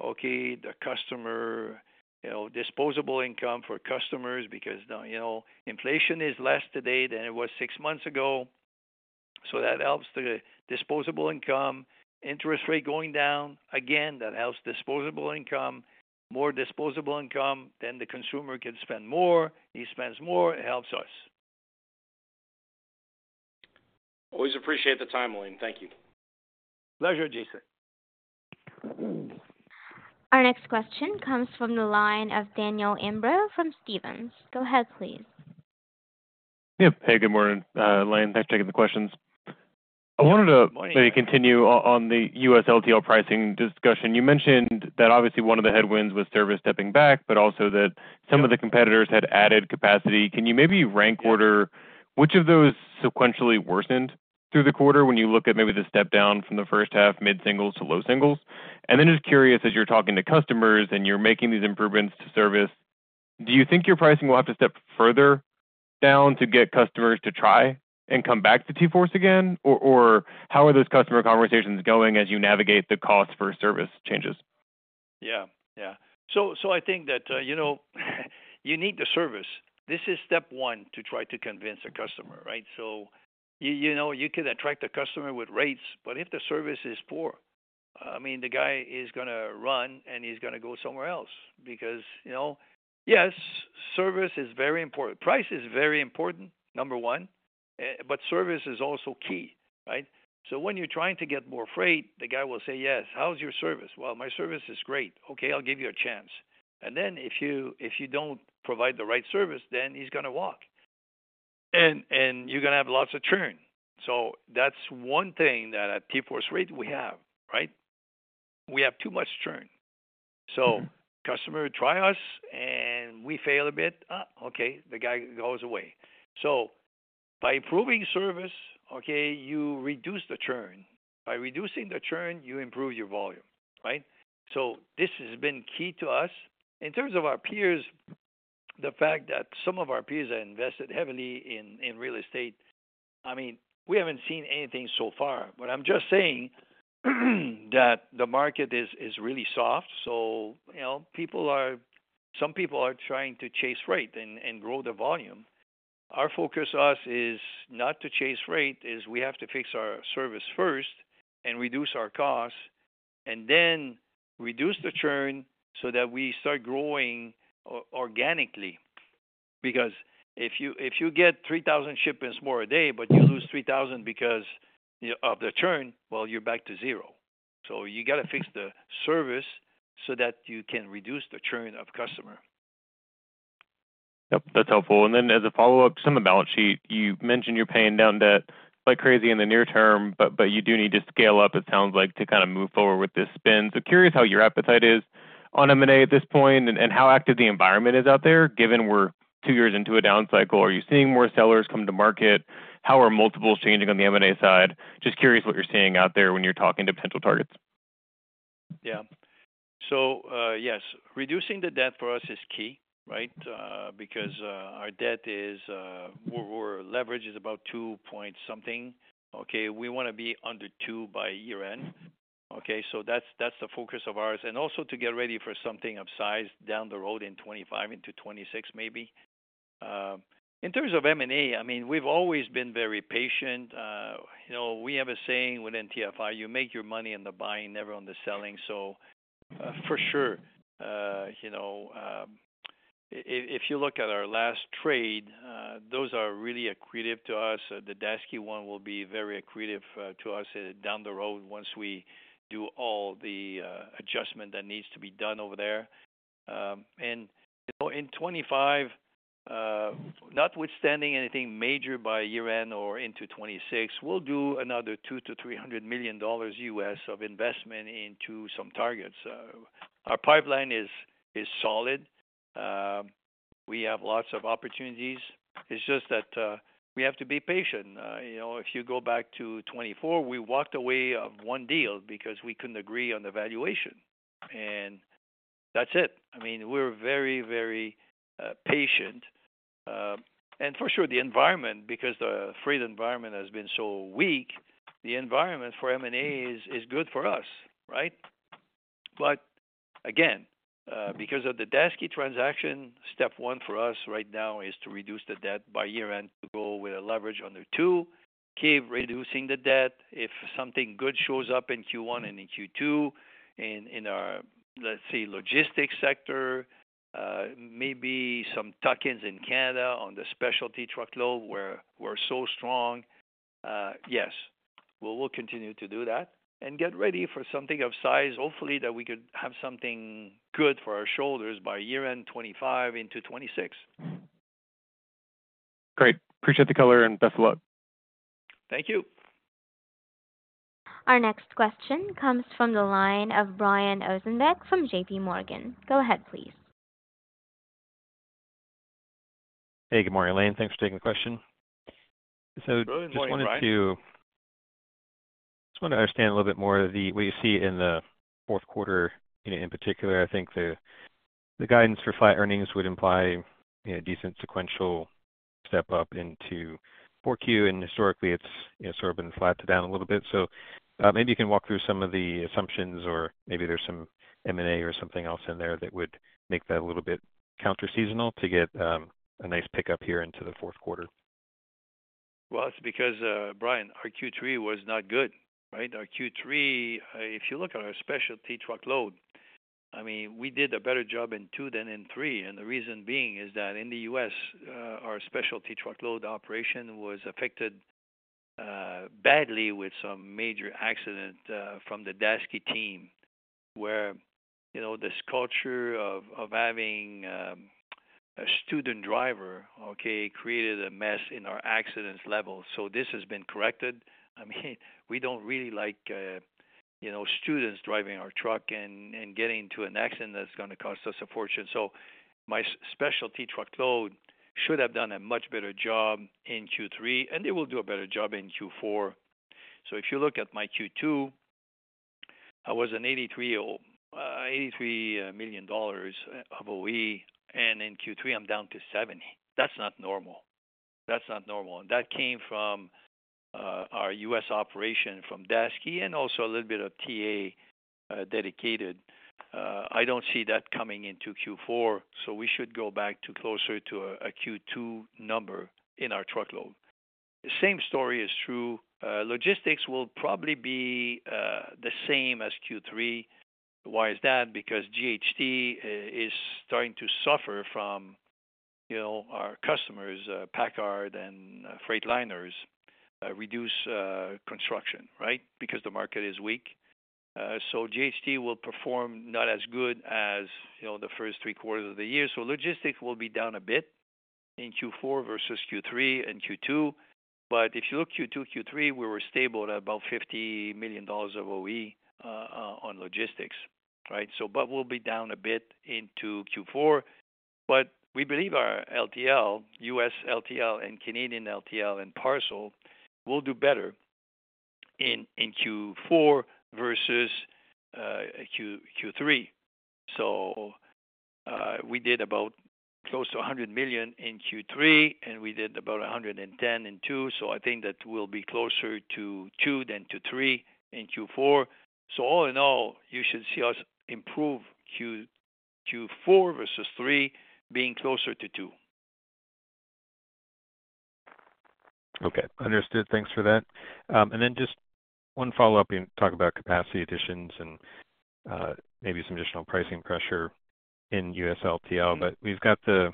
okay, the customer, you know, disposable income for customers because, now, you know, inflation is less today than it was six months ago, so that helps the disposable income. Interest rate going down, again, that helps disposable income. More disposable income, then the consumer can spend more, he spends more, it helps us. Always appreciate the time, Alain. Thank you. Pleasure, Jason. Our next question comes from the line of Daniel Imbro from Stephens. Go ahead, please. Yep. Hey, good morning, Alain. Thanks for taking the questions. I wanted to- Good morning... maybe continue on the U.S. LTL pricing discussion. You mentioned that obviously one of the headwinds was service stepping back, but also that some of the competitors had added capacity. Can you maybe rank order which of those sequentially worsened through the quarter when you look at maybe the step down from the first half, mid-singles to low singles? And then just curious, as you're talking to customers and you're making these improvements to service, do you think your pricing will have to step further down to get customers to try and come back to TForce again? Or, or how are those customer conversations going as you navigate the cost for service changes? Yeah, yeah. So, so I think that, you know, you need the service. This is step one to try to convince a customer, right? So you, you know, you can attract a customer with rates, but if the service is poor, I mean, the guy is gonna run, and he's gonna go somewhere else. Because, you know, yes, service is very important. Price is very important, number one, but service is also key, right? So when you're trying to get more freight, the guy will say: "Yes, how's your service?" "Well, my service is great." "Okay, I'll give you a chance." And then, if you don't provide the right service, then he's gonna walk, and you're gonna have lots of churn. So that's one thing that at TForce Freight we have, right? We have too much churn. Customers try us, and we fail a bit, okay, the guy goes away. By improving service, okay, you reduce the churn. By reducing the churn, you improve your volume, right? This has been key to us. In terms of our peers, the fact that some of our peers are invested heavily in real estate, I mean, we haven't seen anything so far, but I'm just saying that the market is really soft, so you know, people are, some people are trying to chase rate and grow the volume. Our focus is not to chase rate, we have to fix our service first and reduce our costs, and then reduce the churn so that we start growing organically. Because if you get 3,000 shipments more a day, but you lose 3,000 because, you know, of the churn, well, you're back to zero. So you got to fix the service so that you can reduce the churn of customer. Yep, that's helpful. And then as a follow-up, some of the balance sheet, you mentioned you're paying down debt like crazy in the near term, but you do need to scale up, it sounds like, to kind of move forward with this spin. So curious how your appetite is on M&A at this point, and how active the environment is out there, given we're two years into a down cycle. Are you seeing more sellers come to market? How are multiples changing on the M&A side? Just curious what you're seeing out there when you're talking to potential targets? Yeah. So, yes, reducing the debt for us is key, right? Because, our debt is, we're leverage is about two point something. Okay, we wanna be under two by year-end. Okay, so that's the focus of ours, and also to get ready for something of size down the road in 2025, into 2026, maybe. In terms of M&A, I mean, we've always been very patient. You know, we have a saying within TFI, "You make your money on the buying, never on the selling." So, for sure, you know, if you look at our last trade, those are really accretive to us. The Daseke one will be very accretive to us down the road once we do all the adjustment that needs to be done over there. And you know, in 2025, notwithstanding anything major by year-end or into 2026, we'll do another $200-$300 million of investment into some targets. Our pipeline is solid. We have lots of opportunities. It's just that we have to be patient. You know, if you go back to 2024, we walked away of one deal because we couldn't agree on the valuation, and that's it. I mean, we're very, very patient. And for sure, the environment, because the freight environment has been so weak, the environment for M&A is good for us, right? But again, because of the Daseke transaction, step one for us right now is to reduce the debt by year-end, to go with a leverage under 2. Keep reducing the debt. If something good shows up in Q1 and in Q2, in our, let's say, logistics sector, maybe some tuck-ins in Canada on the specialty truckload, where we're so strong. Yes. Well, we'll continue to do that and get ready for something of size. Hopefully, that we could have something good for our shareholders by year-end 2025 into 2026. Great. Appreciate the color, and best of luck. Thank you. Our next question comes from the line of Brian Osenbeck from J.P. Morgan. Go ahead, please. Hey, good morning, Alain. Thanks for taking the question. Good morning, Brian. So just wanted to, just want to understand a little bit more of the, what you see in the fourth quarter. In particular, I think the, the guidance for flat earnings would imply a decent sequential step up into Q4, and historically it's sort of been flat to down a little bit. So, maybe you can walk through some of the assumptions, or maybe there's some M&A or something else in there that would make that a little bit counterseasonal to get, a nice pickup here into the fourth quarter. It's because, Brian, our Q3 was not good, right? Our Q3, if you look at our specialty truckload, I mean, we did a better job in two than in three. The reason being is that in the US, our specialty truckload operation was affected badly with some major accident from the Daseke team, where, you know, this culture of having a student driver, okay, created a mess in our accidents level. So this has been corrected. I mean, we don't really like, you know, students driving our truck and getting into an accident that's gonna cost us a fortune. So my specialty truckload should have done a much better job in Q3, and they will do a better job in Q4. So if you look at my Q2, I was $83 million of OE, and in Q3, I'm down to $70 million. That's not normal. That's not normal. And that came from our U.S. operation, from Daseke and also a little bit of TA Dedicated. I don't see that coming into Q4, so we should go back to closer to a Q2 number in our truckload. The same story is true. Logistics will probably be the same as Q3. Why is that? Because JHT is starting to suffer from, you know, our customers, PACCAR and Freightliner, reduce construction, right? Because the market is weak. So JHT will perform not as good as, you know, the first three quarters of the year. So logistics will be down a bit in Q4 versus Q3 and Q2. But if you look at Q2, Q3, we were stable at about $50 million of OE on logistics, right? So, but we'll be down a bit into Q4. But we believe our LTL, U.S. LTL and Canadian LTL and parcel will do better in Q4 versus Q3. So, we did about close to $100 million in Q3, and we did about $110 million in Q2, so I think that we'll be closer to Q2 than to Q3 in Q4. So all in all, you should see us improve Q4 versus Q3, being closer to Q2. Okay, understood. Thanks for that. And then just one follow-up. You talk about capacity additions and, maybe some additional pricing pressure in U.S. LTL, but we've got the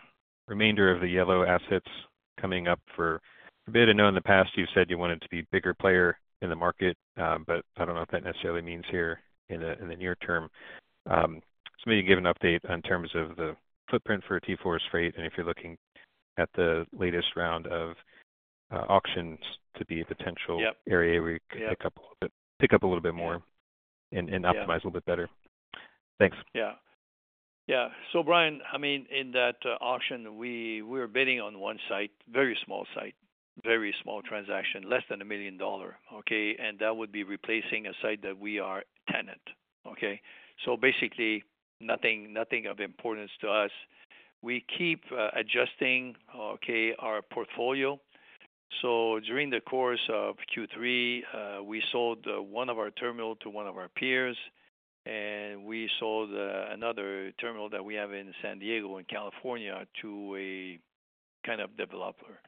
remainder of the Yellow assets coming up for bid. I know in the past you've said you wanted to be a bigger player in the market, but I don't know if that necessarily means here in the near term. So maybe give an update in terms of the footprint for TForce Freight, and if you're looking at the latest round of auctions to be a potential- Yep. area where you could pick up a little bit, pick up a little bit more Yeah. and optimize a little bit better. Thanks. Yeah. Yeah. So, Brian, I mean, in that auction, we're bidding on one site, very small site, very small transaction, less than $1 million, okay? And that would be replacing a site that we are tenants. Okay? So basically, nothing, nothing of importance to us. We keep adjusting, okay, our portfolio. So during the course of Q3, we sold one of our terminals to one of our peers, and we sold another terminal that we have in San Diego, California, to a kind of developer.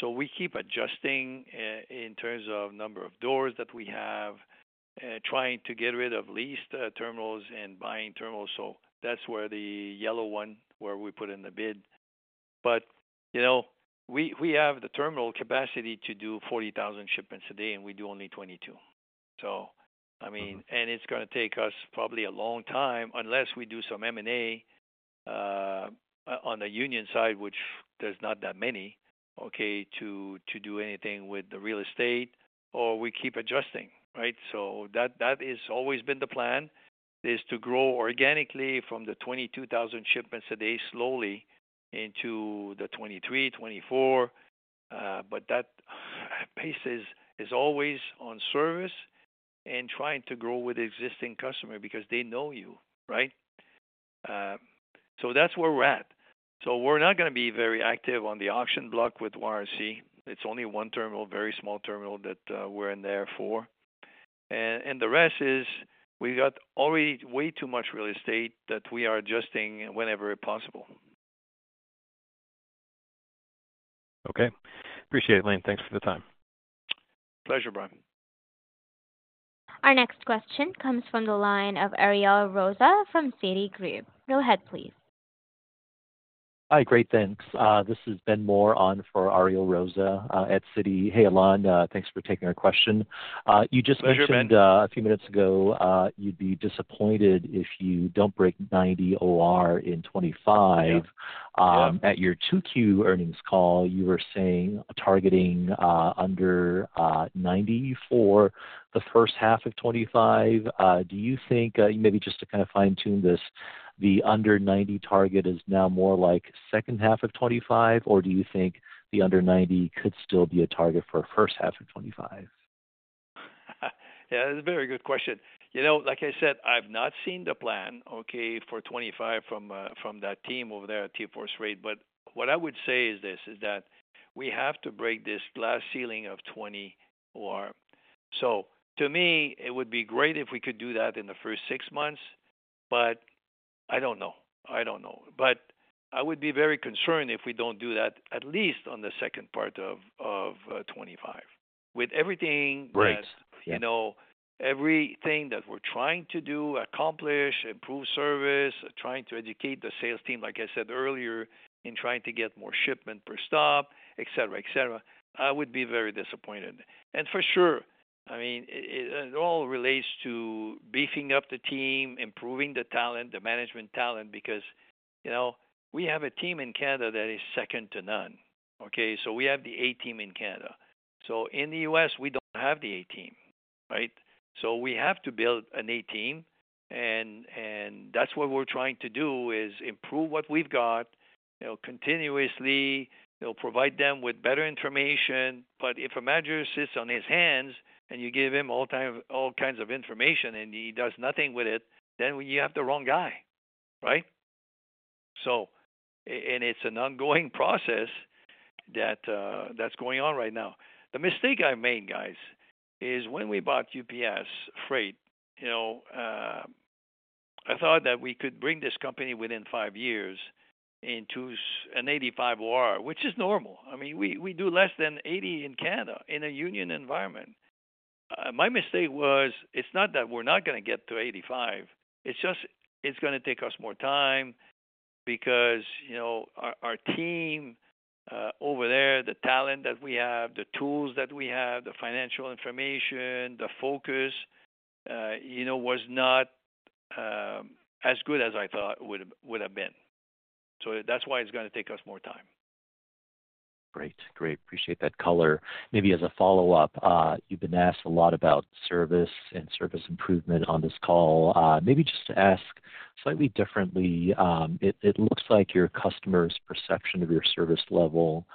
So we keep adjusting in terms of number of doors that we have, trying to get rid of leased terminals and buying terminals. So that's where the yellow one, where we put in the bid. But, you know, we have the terminal capacity to do 40,000 shipments a day, and we do only 22. I mean. And it's gonna take us probably a long time unless we do some M&A on the union side, which there's not that many, okay, to do anything with the real estate or we keep adjusting, right? That is always been the plan, is to grow organically from the 22,000 shipments a day, slowly into the 23, 24. But that pace is always on service and trying to grow with existing customer because they know you, right? So that's where we're at. We're not gonna be very active on the auction block with YRC. It's only one terminal, very small terminal that we're in there for. And the rest is, we got already way too much real estate that we are adjusting whenever possible. Okay. Appreciate it, Alain. Thanks for the time. Pleasure, Brian. Our next question comes from the line of Ariel Rosa from Citigroup. Go ahead, please. ...Hi, great, thanks. This is Ben Mohr on for Ariel Rosa at Citi. Hey, Alain, thanks for taking our question. You just mentioned a few minutes ago you'd be disappointed if you don't break ninety OR in twenty-five. Yeah. At your 2Q earnings call, you were saying targeting under 90 for the first half of 2025. Do you think maybe just to kind of fine-tune this, the under 90 target is now more like second half of 2025? Or do you think the under 90 could still be a target for first half of 2025? Yeah, that's a very good question. You know, like I said, I've not seen the plan, okay, for 2025 from, from that team over there at TForce Freight. But what I would say is this, is that we have to break this glass ceiling of 20 OR. So to me, it would be great if we could do that in the first six months, but I don't know. I don't know. But I would be very concerned if we don't do that, at least on the second part of, of, 2025. With everything- Great. That, you know, everything that we're trying to do, accomplish, improve service, trying to educate the sales team, like I said earlier, in trying to get more shipment per stop, et cetera, et cetera, I would be very disappointed, and for sure, I mean, it all relates to beefing up the team, improving the talent, the management talent, because, you know, we have a team in Canada that is second to none, okay. We have the A team in Canada, so in the U.S., we don't have the A team, right. We have to build an A team, and that's what we're trying to do, is improve what we've got, you know, continuously, you know, provide them with better information. But if a manager sits on his hands and you give him all type, all kinds of information and he does nothing with it, then you have the wrong guy, right? So. And it's an ongoing process that that's going on right now. The mistake I made, guys, is when we bought UPS Freight, you know, I thought that we could bring this company within five years into an 85 OR, which is normal. I mean, we, we do less than 80 in Canada in a union environment. My mistake was, it's not that we're not gonna get to eighty-five, it's just it's gonna take us more time because, you know, our team over there, the talent that we have, the tools that we have, the financial information, the focus, you know, was not as good as I thought would have been so that's why it's gonna take us more time. Great. Great. Appreciate that color. Maybe as a follow-up, you've been asked a lot about service and service improvement on this call. Maybe just to ask slightly differently, it looks like your customers' perception of your service level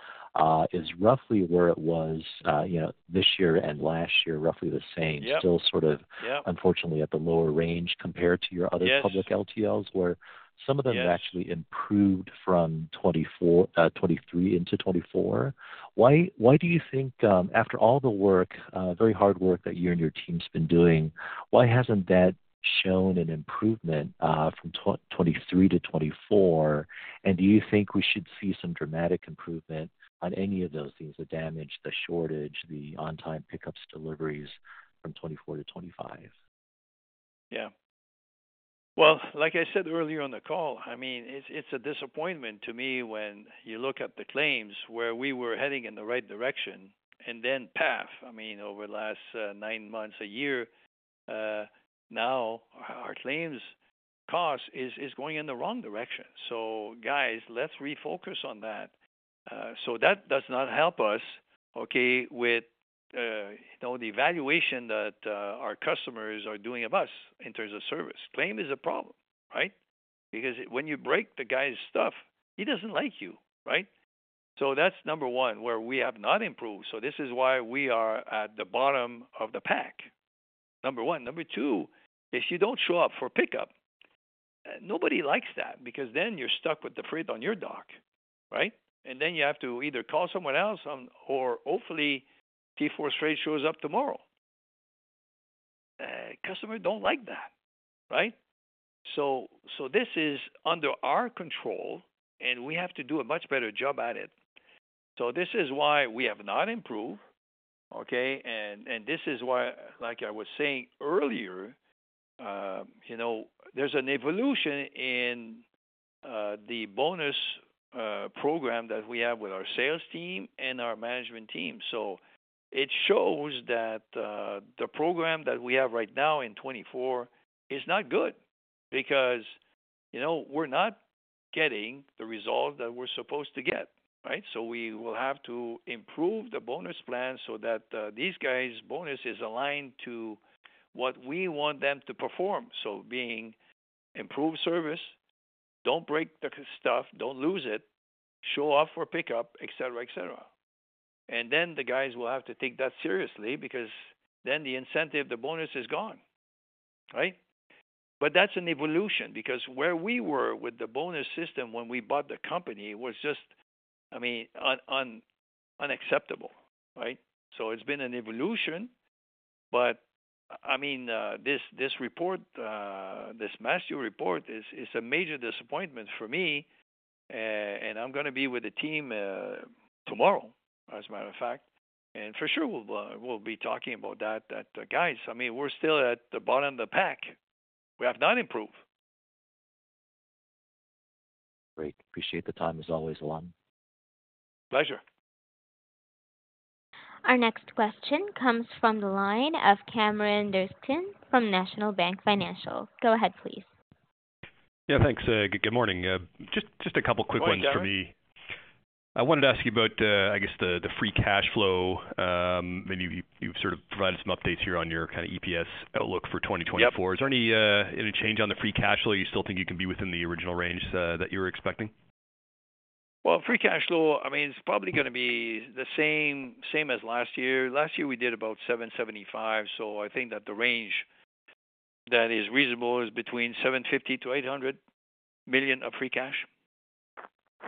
is roughly where it was, you know, this year and last year, roughly the same. Yeah. Still sort of- Yeah... unfortunately, at the lower range compared to your other- Yes public LTLs, where some of them Yes Have actually improved from 2023 into 2024. Why, why do you think, after all the work, very hard work that you and your team's been doing, why hasn't that shown an improvement from 2023-2024? And do you think we should see some dramatic improvement on any of those things, the damage, the shortage, the on-time pickups, deliveries from 2024-2025? Yeah. Well, like I said earlier on the call, I mean, it's a disappointment to me when you look at the claims where we were heading in the right direction and then path, I mean, over the last nine months, a year, now our claims cost is going in the wrong direction. So guys, let's refocus on that. So that does not help us, okay, with you know, the evaluation that our customers are doing of us in terms of service. Claim is a problem, right? Because when you break the guy's stuff, he doesn't like you, right? So that's number one, where we have not improved. So this is why we are at the bottom of the pack, number one. Number two, if you don't show up for pickup, nobody likes that, because then you're stuck with the freight on your dock, right? And then you have to either call someone else, or hopefully TForce Freight shows up tomorrow. Customer don't like that, right? This is under our control, and we have to do a much better job at it. This is why we have not improved, okay? This is why, like I was saying earlier, you know, there's an evolution in the bonus program that we have with our sales team and our management team. It shows that the program that we have right now in 2024 is not good because, you know, we're not getting the result that we're supposed to get, right? So we will have to improve the bonus plan so that these guys' bonus is aligned to what we want them to perform. So being improve service, don't break the stuff, don't lose it, show up for pickup, et cetera, et cetera. And then the guys will have to take that seriously, because then the incentive, the bonus, is gone, right? But that's an evolution, because where we were with the bonus system when we bought the company was just, I mean, unacceptable, right? So it's been an evolution, but, I mean, this report, this mastio report is a major disappointment for me, and I'm gonna be with the team, tomorrow, as a matter of fact. And for sure, we'll be talking about that guys, I mean, we're still at the bottom of the pack.... We have not improved. Great. Appreciate the time as always, Alain. Pleasure. Our next question comes from the line of Cameron Doerksen from National Bank Financial. Go ahead, please. Yeah, thanks. Good morning. Just a couple quick ones for me. Good morning, Cameron. I wanted to ask you about, I guess, the free cash flow. Maybe you sort of provided some updates here on your kind of EPS outlook for 2024. Yep. Is there any change on the free cash flow? You still think you can be within the original range that you were expecting? Free cash flow, I mean, it's probably gonna be the same, same as last year. Last year, we did about $775 million, so I think that the range that is reasonable is between $750 million-$800 million of free cash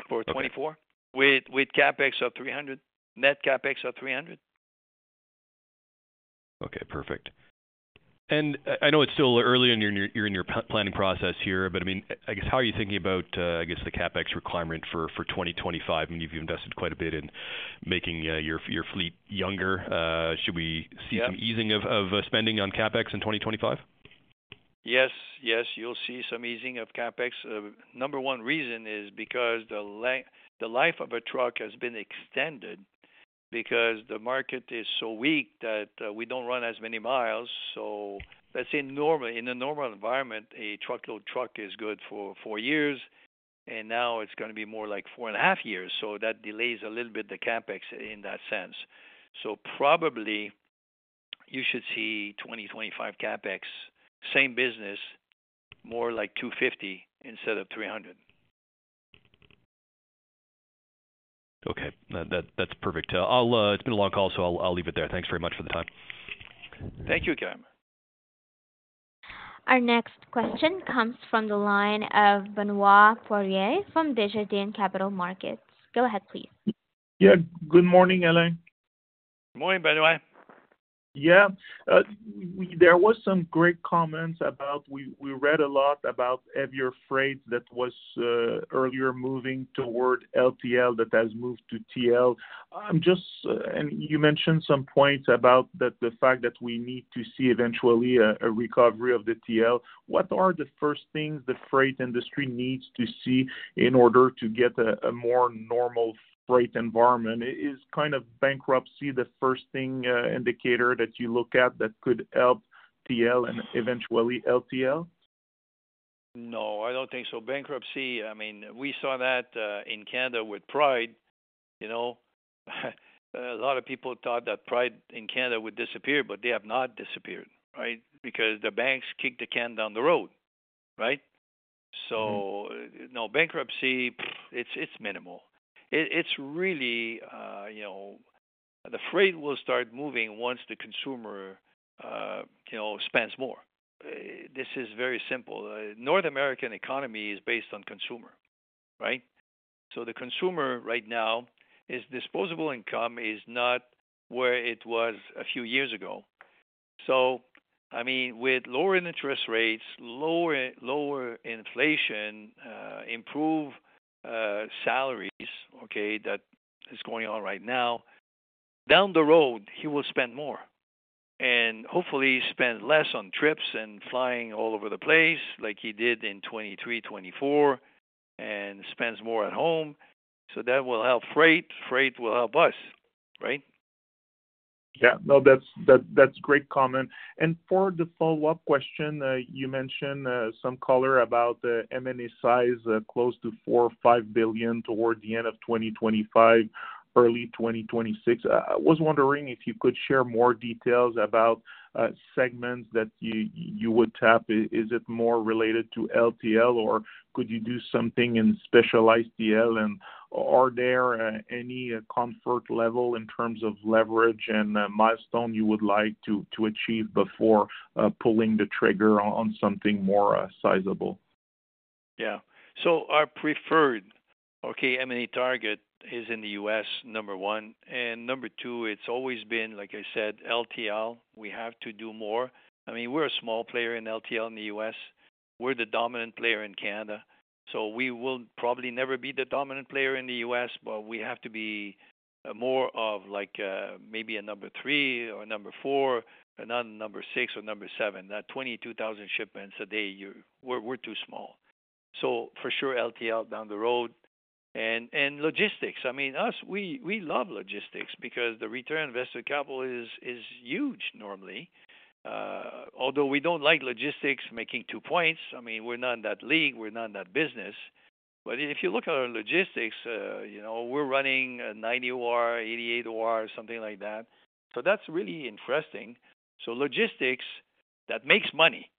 for 2024- Okay. with CapEx of $300. Net CapEx of $300. Okay, perfect. And I know it's still early in your planning process here, but I mean, I guess how are you thinking about the CapEx requirement for twenty twenty-five? I mean, you've invested quite a bit in making your fleet younger. Should we- Yeah... see some easing of spending on CapEx in 2025? Yes, yes, you'll see some easing of CapEx. Number one reason is because the life of a truck has been extended because the market is so weak that we don't run as many miles. So let's say normally, in a normal environment, a truckload truck is good for four years, and now it's gonna be more like four and a half years, so that delays a little bit, the CapEx in that sense. So probably you should see 2025 CapEx, same business, more like $250 million instead of $300 million. Okay. That's perfect. I'll... It's been a long call, so I'll leave it there. Thanks very much for the time. Thank you, Cameron. Our next question comes from the line of Benoit Poirier from Desjardins Capital Markets. Go ahead, please. Yeah. Good morning, Alain. Morning, Benoit. Yeah. There was some great comments about we read a lot about heavier freight that was earlier moving toward LTL that has moved to TL. I'm just... And you mentioned some points about the fact that we need to see eventually a recovery of the TL. What are the first things the freight industry needs to see in order to get a more normal freight environment? Is kind of bankruptcy the first thing indicator that you look at that could help TL and eventually LTL? No, I don't think so. Bankruptcy, I mean, we saw that in Canada with Pride, you know? A lot of people thought that Pride in Canada would disappear, but they have not disappeared, right? Because the banks kicked the can down the road, right? Mm-hmm. So, no, bankruptcy, it's minimal. It's really, you know, the freight will start moving once the consumer, you know, spends more. This is very simple. North American economy is based on consumer, right? So the consumer right now, his disposable income is not where it was a few years ago. So, I mean, with lower interest rates, lower inflation, improved salaries, okay, that is going on right now, down the road, he will spend more. And hopefully, he spends less on trips and flying all over the place like he did in 2023, 2024, and spends more at home. So that will help freight. Freight will help us, right? Yeah. No, that's, that's great comment. And for the follow-up question, you mentioned some color about the M&A size, close to $4-$5 billion toward the end of twenty twenty-five, early twenty twenty-six. I was wondering if you could share more details about segments that you would tap. Is it more related to LTL, or could you do something in specialized TL? And are there any comfort level in terms of leverage and milestone you would like to achieve before pulling the trigger on something more sizable? Yeah. So our preferred, okay, M&A target is in the U.S., number one. And number two, it's always been, like I said, LTL, we have to do more. I mean, we're a small player in LTL in the U.S. We're the dominant player in Canada, so we will probably never be the dominant player in the U.S., but we have to be more of like, maybe a number three or number four, but not number six or number seven. That 22,000 shipments a day, we're too small. So for sure, LTL down the road. And logistics, I mean, we love logistics because the return on invested capital is huge normally. Although we don't like logistics making two points, I mean, we're not in that league, we're not in that business. But if you look at our logistics, you know, we're running a 90 OR, 88 OR, something like that. So that's really interesting. So logistics that makes money,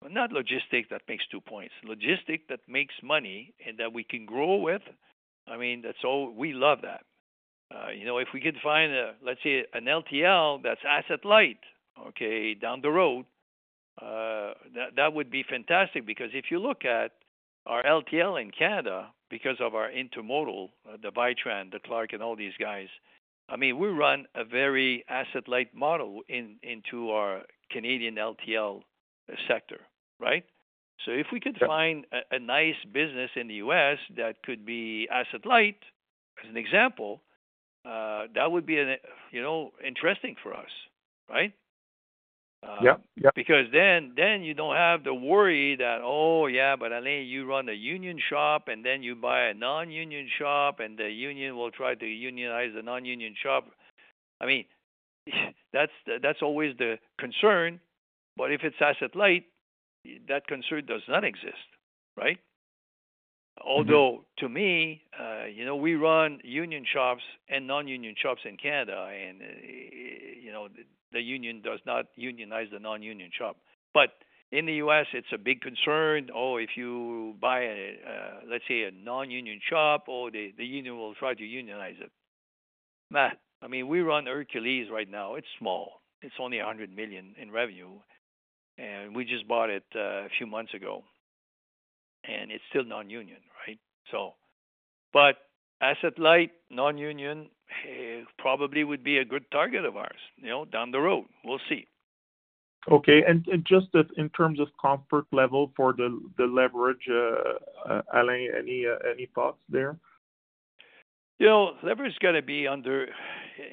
but not logistics that makes two points. Logistics that makes money and that we can grow with, I mean, that's all. We love that. You know, if we could find a, let's say, an LTL that's asset light, okay, down the road, that would be fantastic, because if you look at our LTL in Canada, because of our intermodal, the Vitran, the Clarke, and all these guys, I mean, we run a very asset light model into our Canadian LTL sector, right? Yeah. So if we could find a nice business in the U.S. that could be asset light, as an example, that would be an, you know, interesting for us, right? Yep, yep. Because then you don't have to worry that, oh, yeah, but Alain, you run a union shop, and then you buy a non-union shop, and the union will try to unionize the non-union shop. I mean, that's always the concern, but if it's asset-light, that concern does not exist, right? Mm-hmm. Although, to me, you know, we run union shops and non-union shops in Canada, and, you know, the union does not unionize the non-union shop. But in the U.S., it's a big concern. Oh, if you buy a, let's say a non-union shop, or the union will try to unionize it. But, I mean, we run Hercules right now. It's small. It's only $100 million in revenue, and we just bought it, a few months ago, and it's still non-union, right? So, but asset light, non-union, probably would be a good target of ours, you know, down the road. We'll see. Okay. And just in terms of comfort level for the leverage, Alain, any thoughts there? You know, leverage is gonna be under three.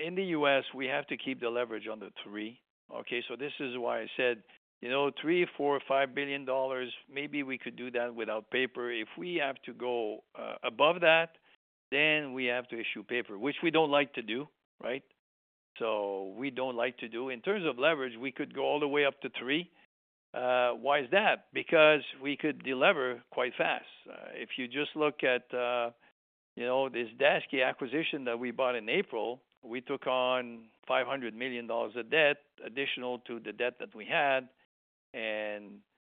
In the U.S., we have to keep the leverage under three, okay? So this is why I said, you know, three, four, five billion dollars, maybe we could do that without paper. If we have to go above that, then we have to issue paper, which we don't like to do, right? So we don't like to do. In terms of leverage, we could go all the way up to three. Why is that? Because we could delever quite fast. If you just look at, you know, this Daseke acquisition that we bought in April, we took on $500 million of debt, additional to the debt that we had, and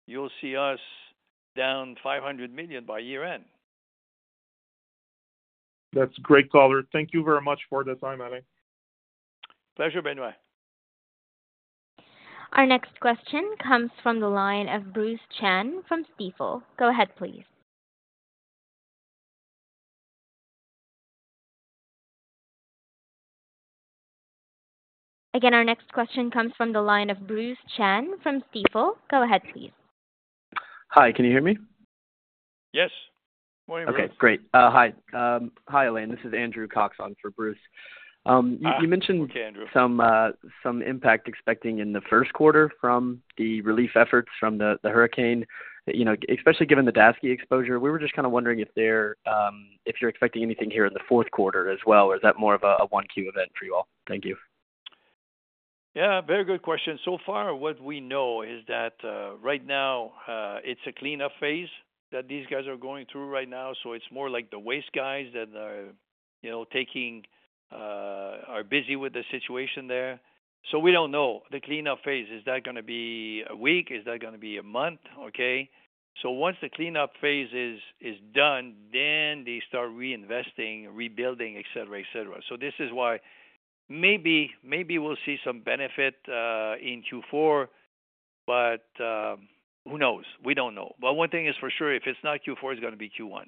you'll see us down $500 million by year-end. That's great, caller. Thank you very much for the time, Alain. Pleasure, Benoit. Our next question comes from the line of Bruce Chan from Stifel. Go ahead, please. Hi, can you hear me? Yes. Morning, Bruce. Okay, great. Hi. Hi, Alain. This is Andrew Cox on for Bruce. Okay, Andrew. You mentioned some impact expecting in the first quarter from the relief efforts from the hurricane, you know, especially given the Daseke exposure. We were just kind of wondering if you're expecting anything here in the fourth quarter as well, or is that more of a one-Q event for you all? Thank you. Yeah, very good question. So far, what we know is that, right now, it's a cleanup phase that these guys are going through right now, so it's more like the waste guys that are, you know, taking, are busy with the situation there. So we don't know. The cleanup phase, is that gonna be a week, is that gonna be a month, okay? So once the cleanup phase is done, then they start reinvesting, rebuilding, et cetera, et cetera. So this is why maybe, maybe we'll see some benefit, in Q4, but, who knows? We don't know. But one thing is for sure, if it's not Q4, it's gonna be Q1.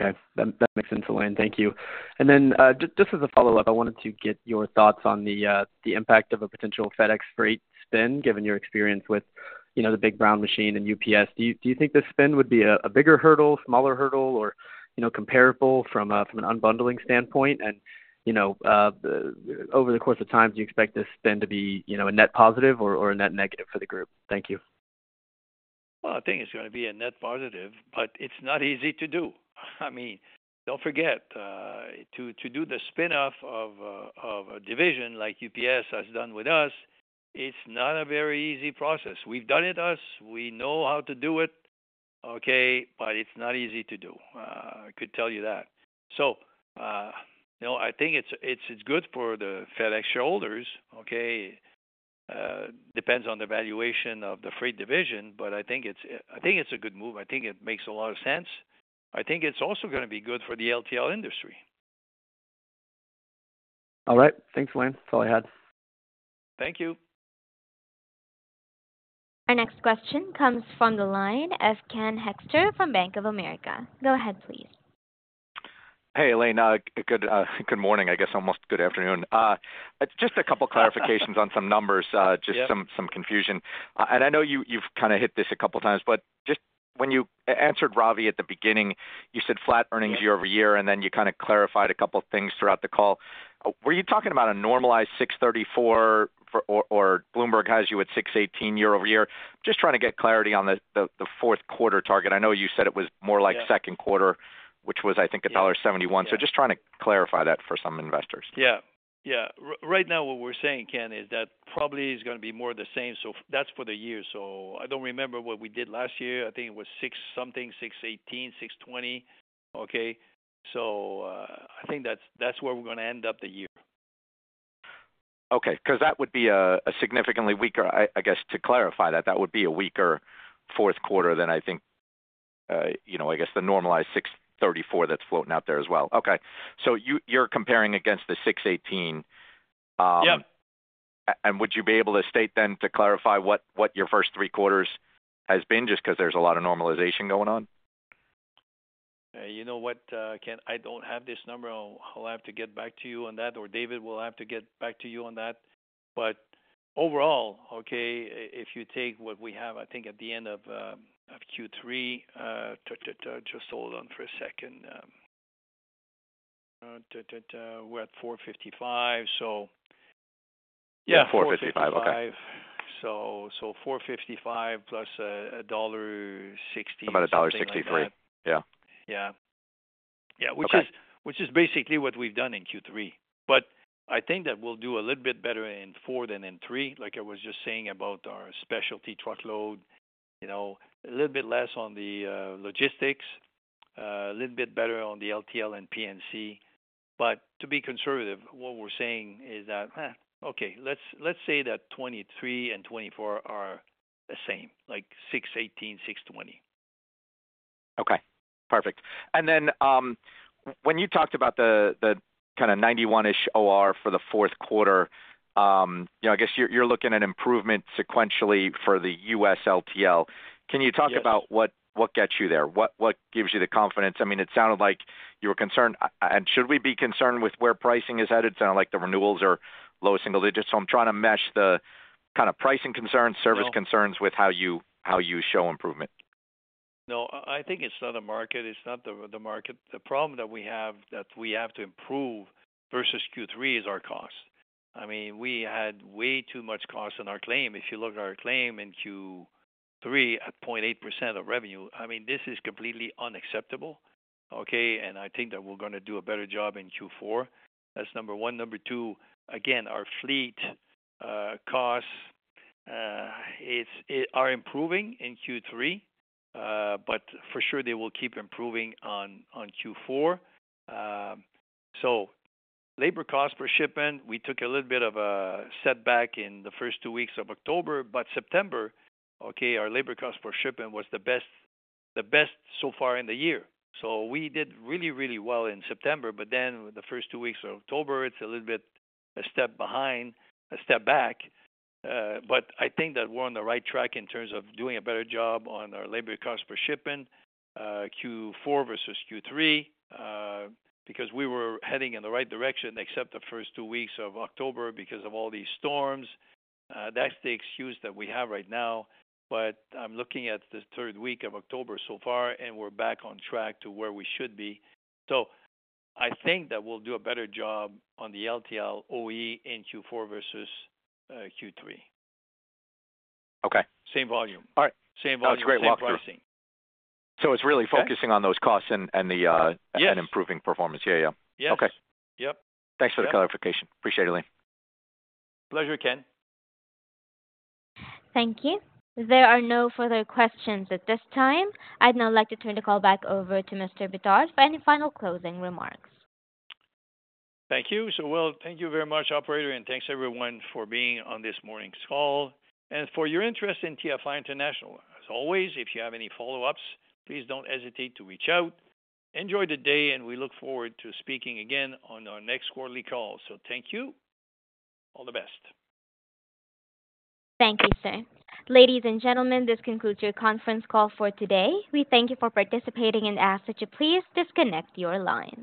Okay. That makes sense, Alain. Thank you. And then, just as a follow-up, I wanted to get your thoughts on the impact of a potential FedEx Freight spin, given your experience with, you know, the Big Brown Machine and UPS. Do you think the spin would be a bigger hurdle, smaller hurdle, or, you know, comparable from an unbundling standpoint? And, you know, over the course of time, do you expect this spin to be, you know, a net positive or a net negative for the group? Thank you. I think it's gonna be a net positive, but it's not easy to do. I mean, don't forget to do the spin-off of a division like UPS has done with us. It's not a very easy process. We've done it ourselves. We know how to do it, okay, but it's not easy to do. I could tell you that. You know, I think it's good for the FedEx shareholders, okay? It depends on the valuation of the freight division, but I think it's a good move. I think it makes a lot of sense. I think it's also gonna be good for the LTL industry. All right. Thanks, Alain. That's all I had. Thank you. Our next question comes from the line of Ken Hoexter from Bank of America. Go ahead, please. Hey, Alain. Good morning, I guess almost good afternoon. Just a couple clarifications on some numbers. Yeah. Just some confusion, and I know you've kind of hit this a couple of times, but just when you answered Ravi at the beginning, you said flat earnings year over year, and then you kind of clarified a couple of things throughout the call. Were you talking about a normalized $6.34, or Bloomberg has you at $6.18 year over year? Just trying to get clarity on the fourth quarter target. I know you said it was more like- Yeah second quarter, which was, I think, $1.71. Yeah. Just trying to clarify that for some investors. Yeah. Yeah. Right now, what we're saying, Ken, is that probably is gonna be more the same. So that's for the year. So I don't remember what we did last year. I think it was six something, six eighteen, six twenty. Okay, so I think that's, that's where we're gonna end up the year. Okay. Because that would be a significantly weaker... I guess, to clarify that, that would be a weaker fourth quarter than I think, you know, I guess the normalized $6.34 that's floating out there as well. Okay. So you're comparing against the $6.18. Yeah. Would you be able to state then to clarify what, what your first three quarters has been just because there's a lot of normalization going on? You know what, Ken, I don't have this number. I'll have to get back to you on that, or David will have to get back to you on that. Overall, okay, if you take what we have, I think at the end of Q3, just hold on for a second. We're at 455, so yeah, 455. 4:55, okay. So, $4.55 plus $1.60- About $1.63. Yeah. Yeah. Yeah. Okay. Which is basically what we've done in Q3. But I think that we'll do a little bit better in four than in three, like I was just saying about our specialty truckload, you know, a little bit less on the logistics, a little bit better on the LTL and P&C. But to be conservative, what we're saying is that, okay, let's say that 2023 and 2024 are the same, like $618, $620. Okay, perfect. And then, when you talked about the kinda ninety-one-ish OR for the fourth quarter, you know, I guess you're looking at improvement sequentially for the U.S. LTL. Yes. Can you talk about what gets you there? What gives you the confidence? I mean, it sounded like you were concerned, and should we be concerned with where pricing is headed? Sounds like the renewals are low single digits, so I'm trying to mesh the kinda pricing concerns- No. Service concerns with how you show improvement. No, I think it's not the market. It's not the market. The problem that we have to improve versus Q3 is our cost. I mean, we had way too much cost in our claim. If you look at our claim in Q3, at 0.8% of revenue, I mean, this is completely unacceptable, okay? I think that we're gonna do a better job in Q4. That's number one. Number two, again, our fleet costs are improving in Q3, but for sure, they will keep improving in Q4. So labor cost per shipment, we took a little bit of a setback in the first two weeks of October, but September, okay, our labor cost per shipment was the best so far in the year. So we did really, really well in September, but then the first two weeks of October, it's a little bit a step behind, a step back. But I think that we're on the right track in terms of doing a better job on our labor cost per shipment, Q4 versus Q3, because we were heading in the right direction except the first two weeks of October, because of all these storms. That's the excuse that we have right now, but I'm looking at the third week of October so far, and we're back on track to where we should be. So I think that we'll do a better job on the LTL OE in Q4 versus Q3. Okay. Same volume. All right. Same volume. That's a great walkthrough. Same pricing. So it's really- Okay -focusing on those costs and the Yes. And improving performance. Yeah, yeah. Yes. Okay. Yep. Thanks for the clarification. Appreciate it, Alain. Pleasure, Ken. Thank you. There are no further questions at this time. I'd now like to turn the call back over to Mr. Bédard for any final closing remarks. Thank you. So well, thank you very much, operator, and thanks everyone for being on this morning's call and for your interest in TFI International. As always, if you have any follow-ups, please don't hesitate to reach out. Enjoy the day, and we look forward to speaking again on our next quarterly call. So thank you. All the best. Thank you, sir. Ladies and gentlemen, this concludes your conference call for today. We thank you for participating and ask that you please disconnect your lines.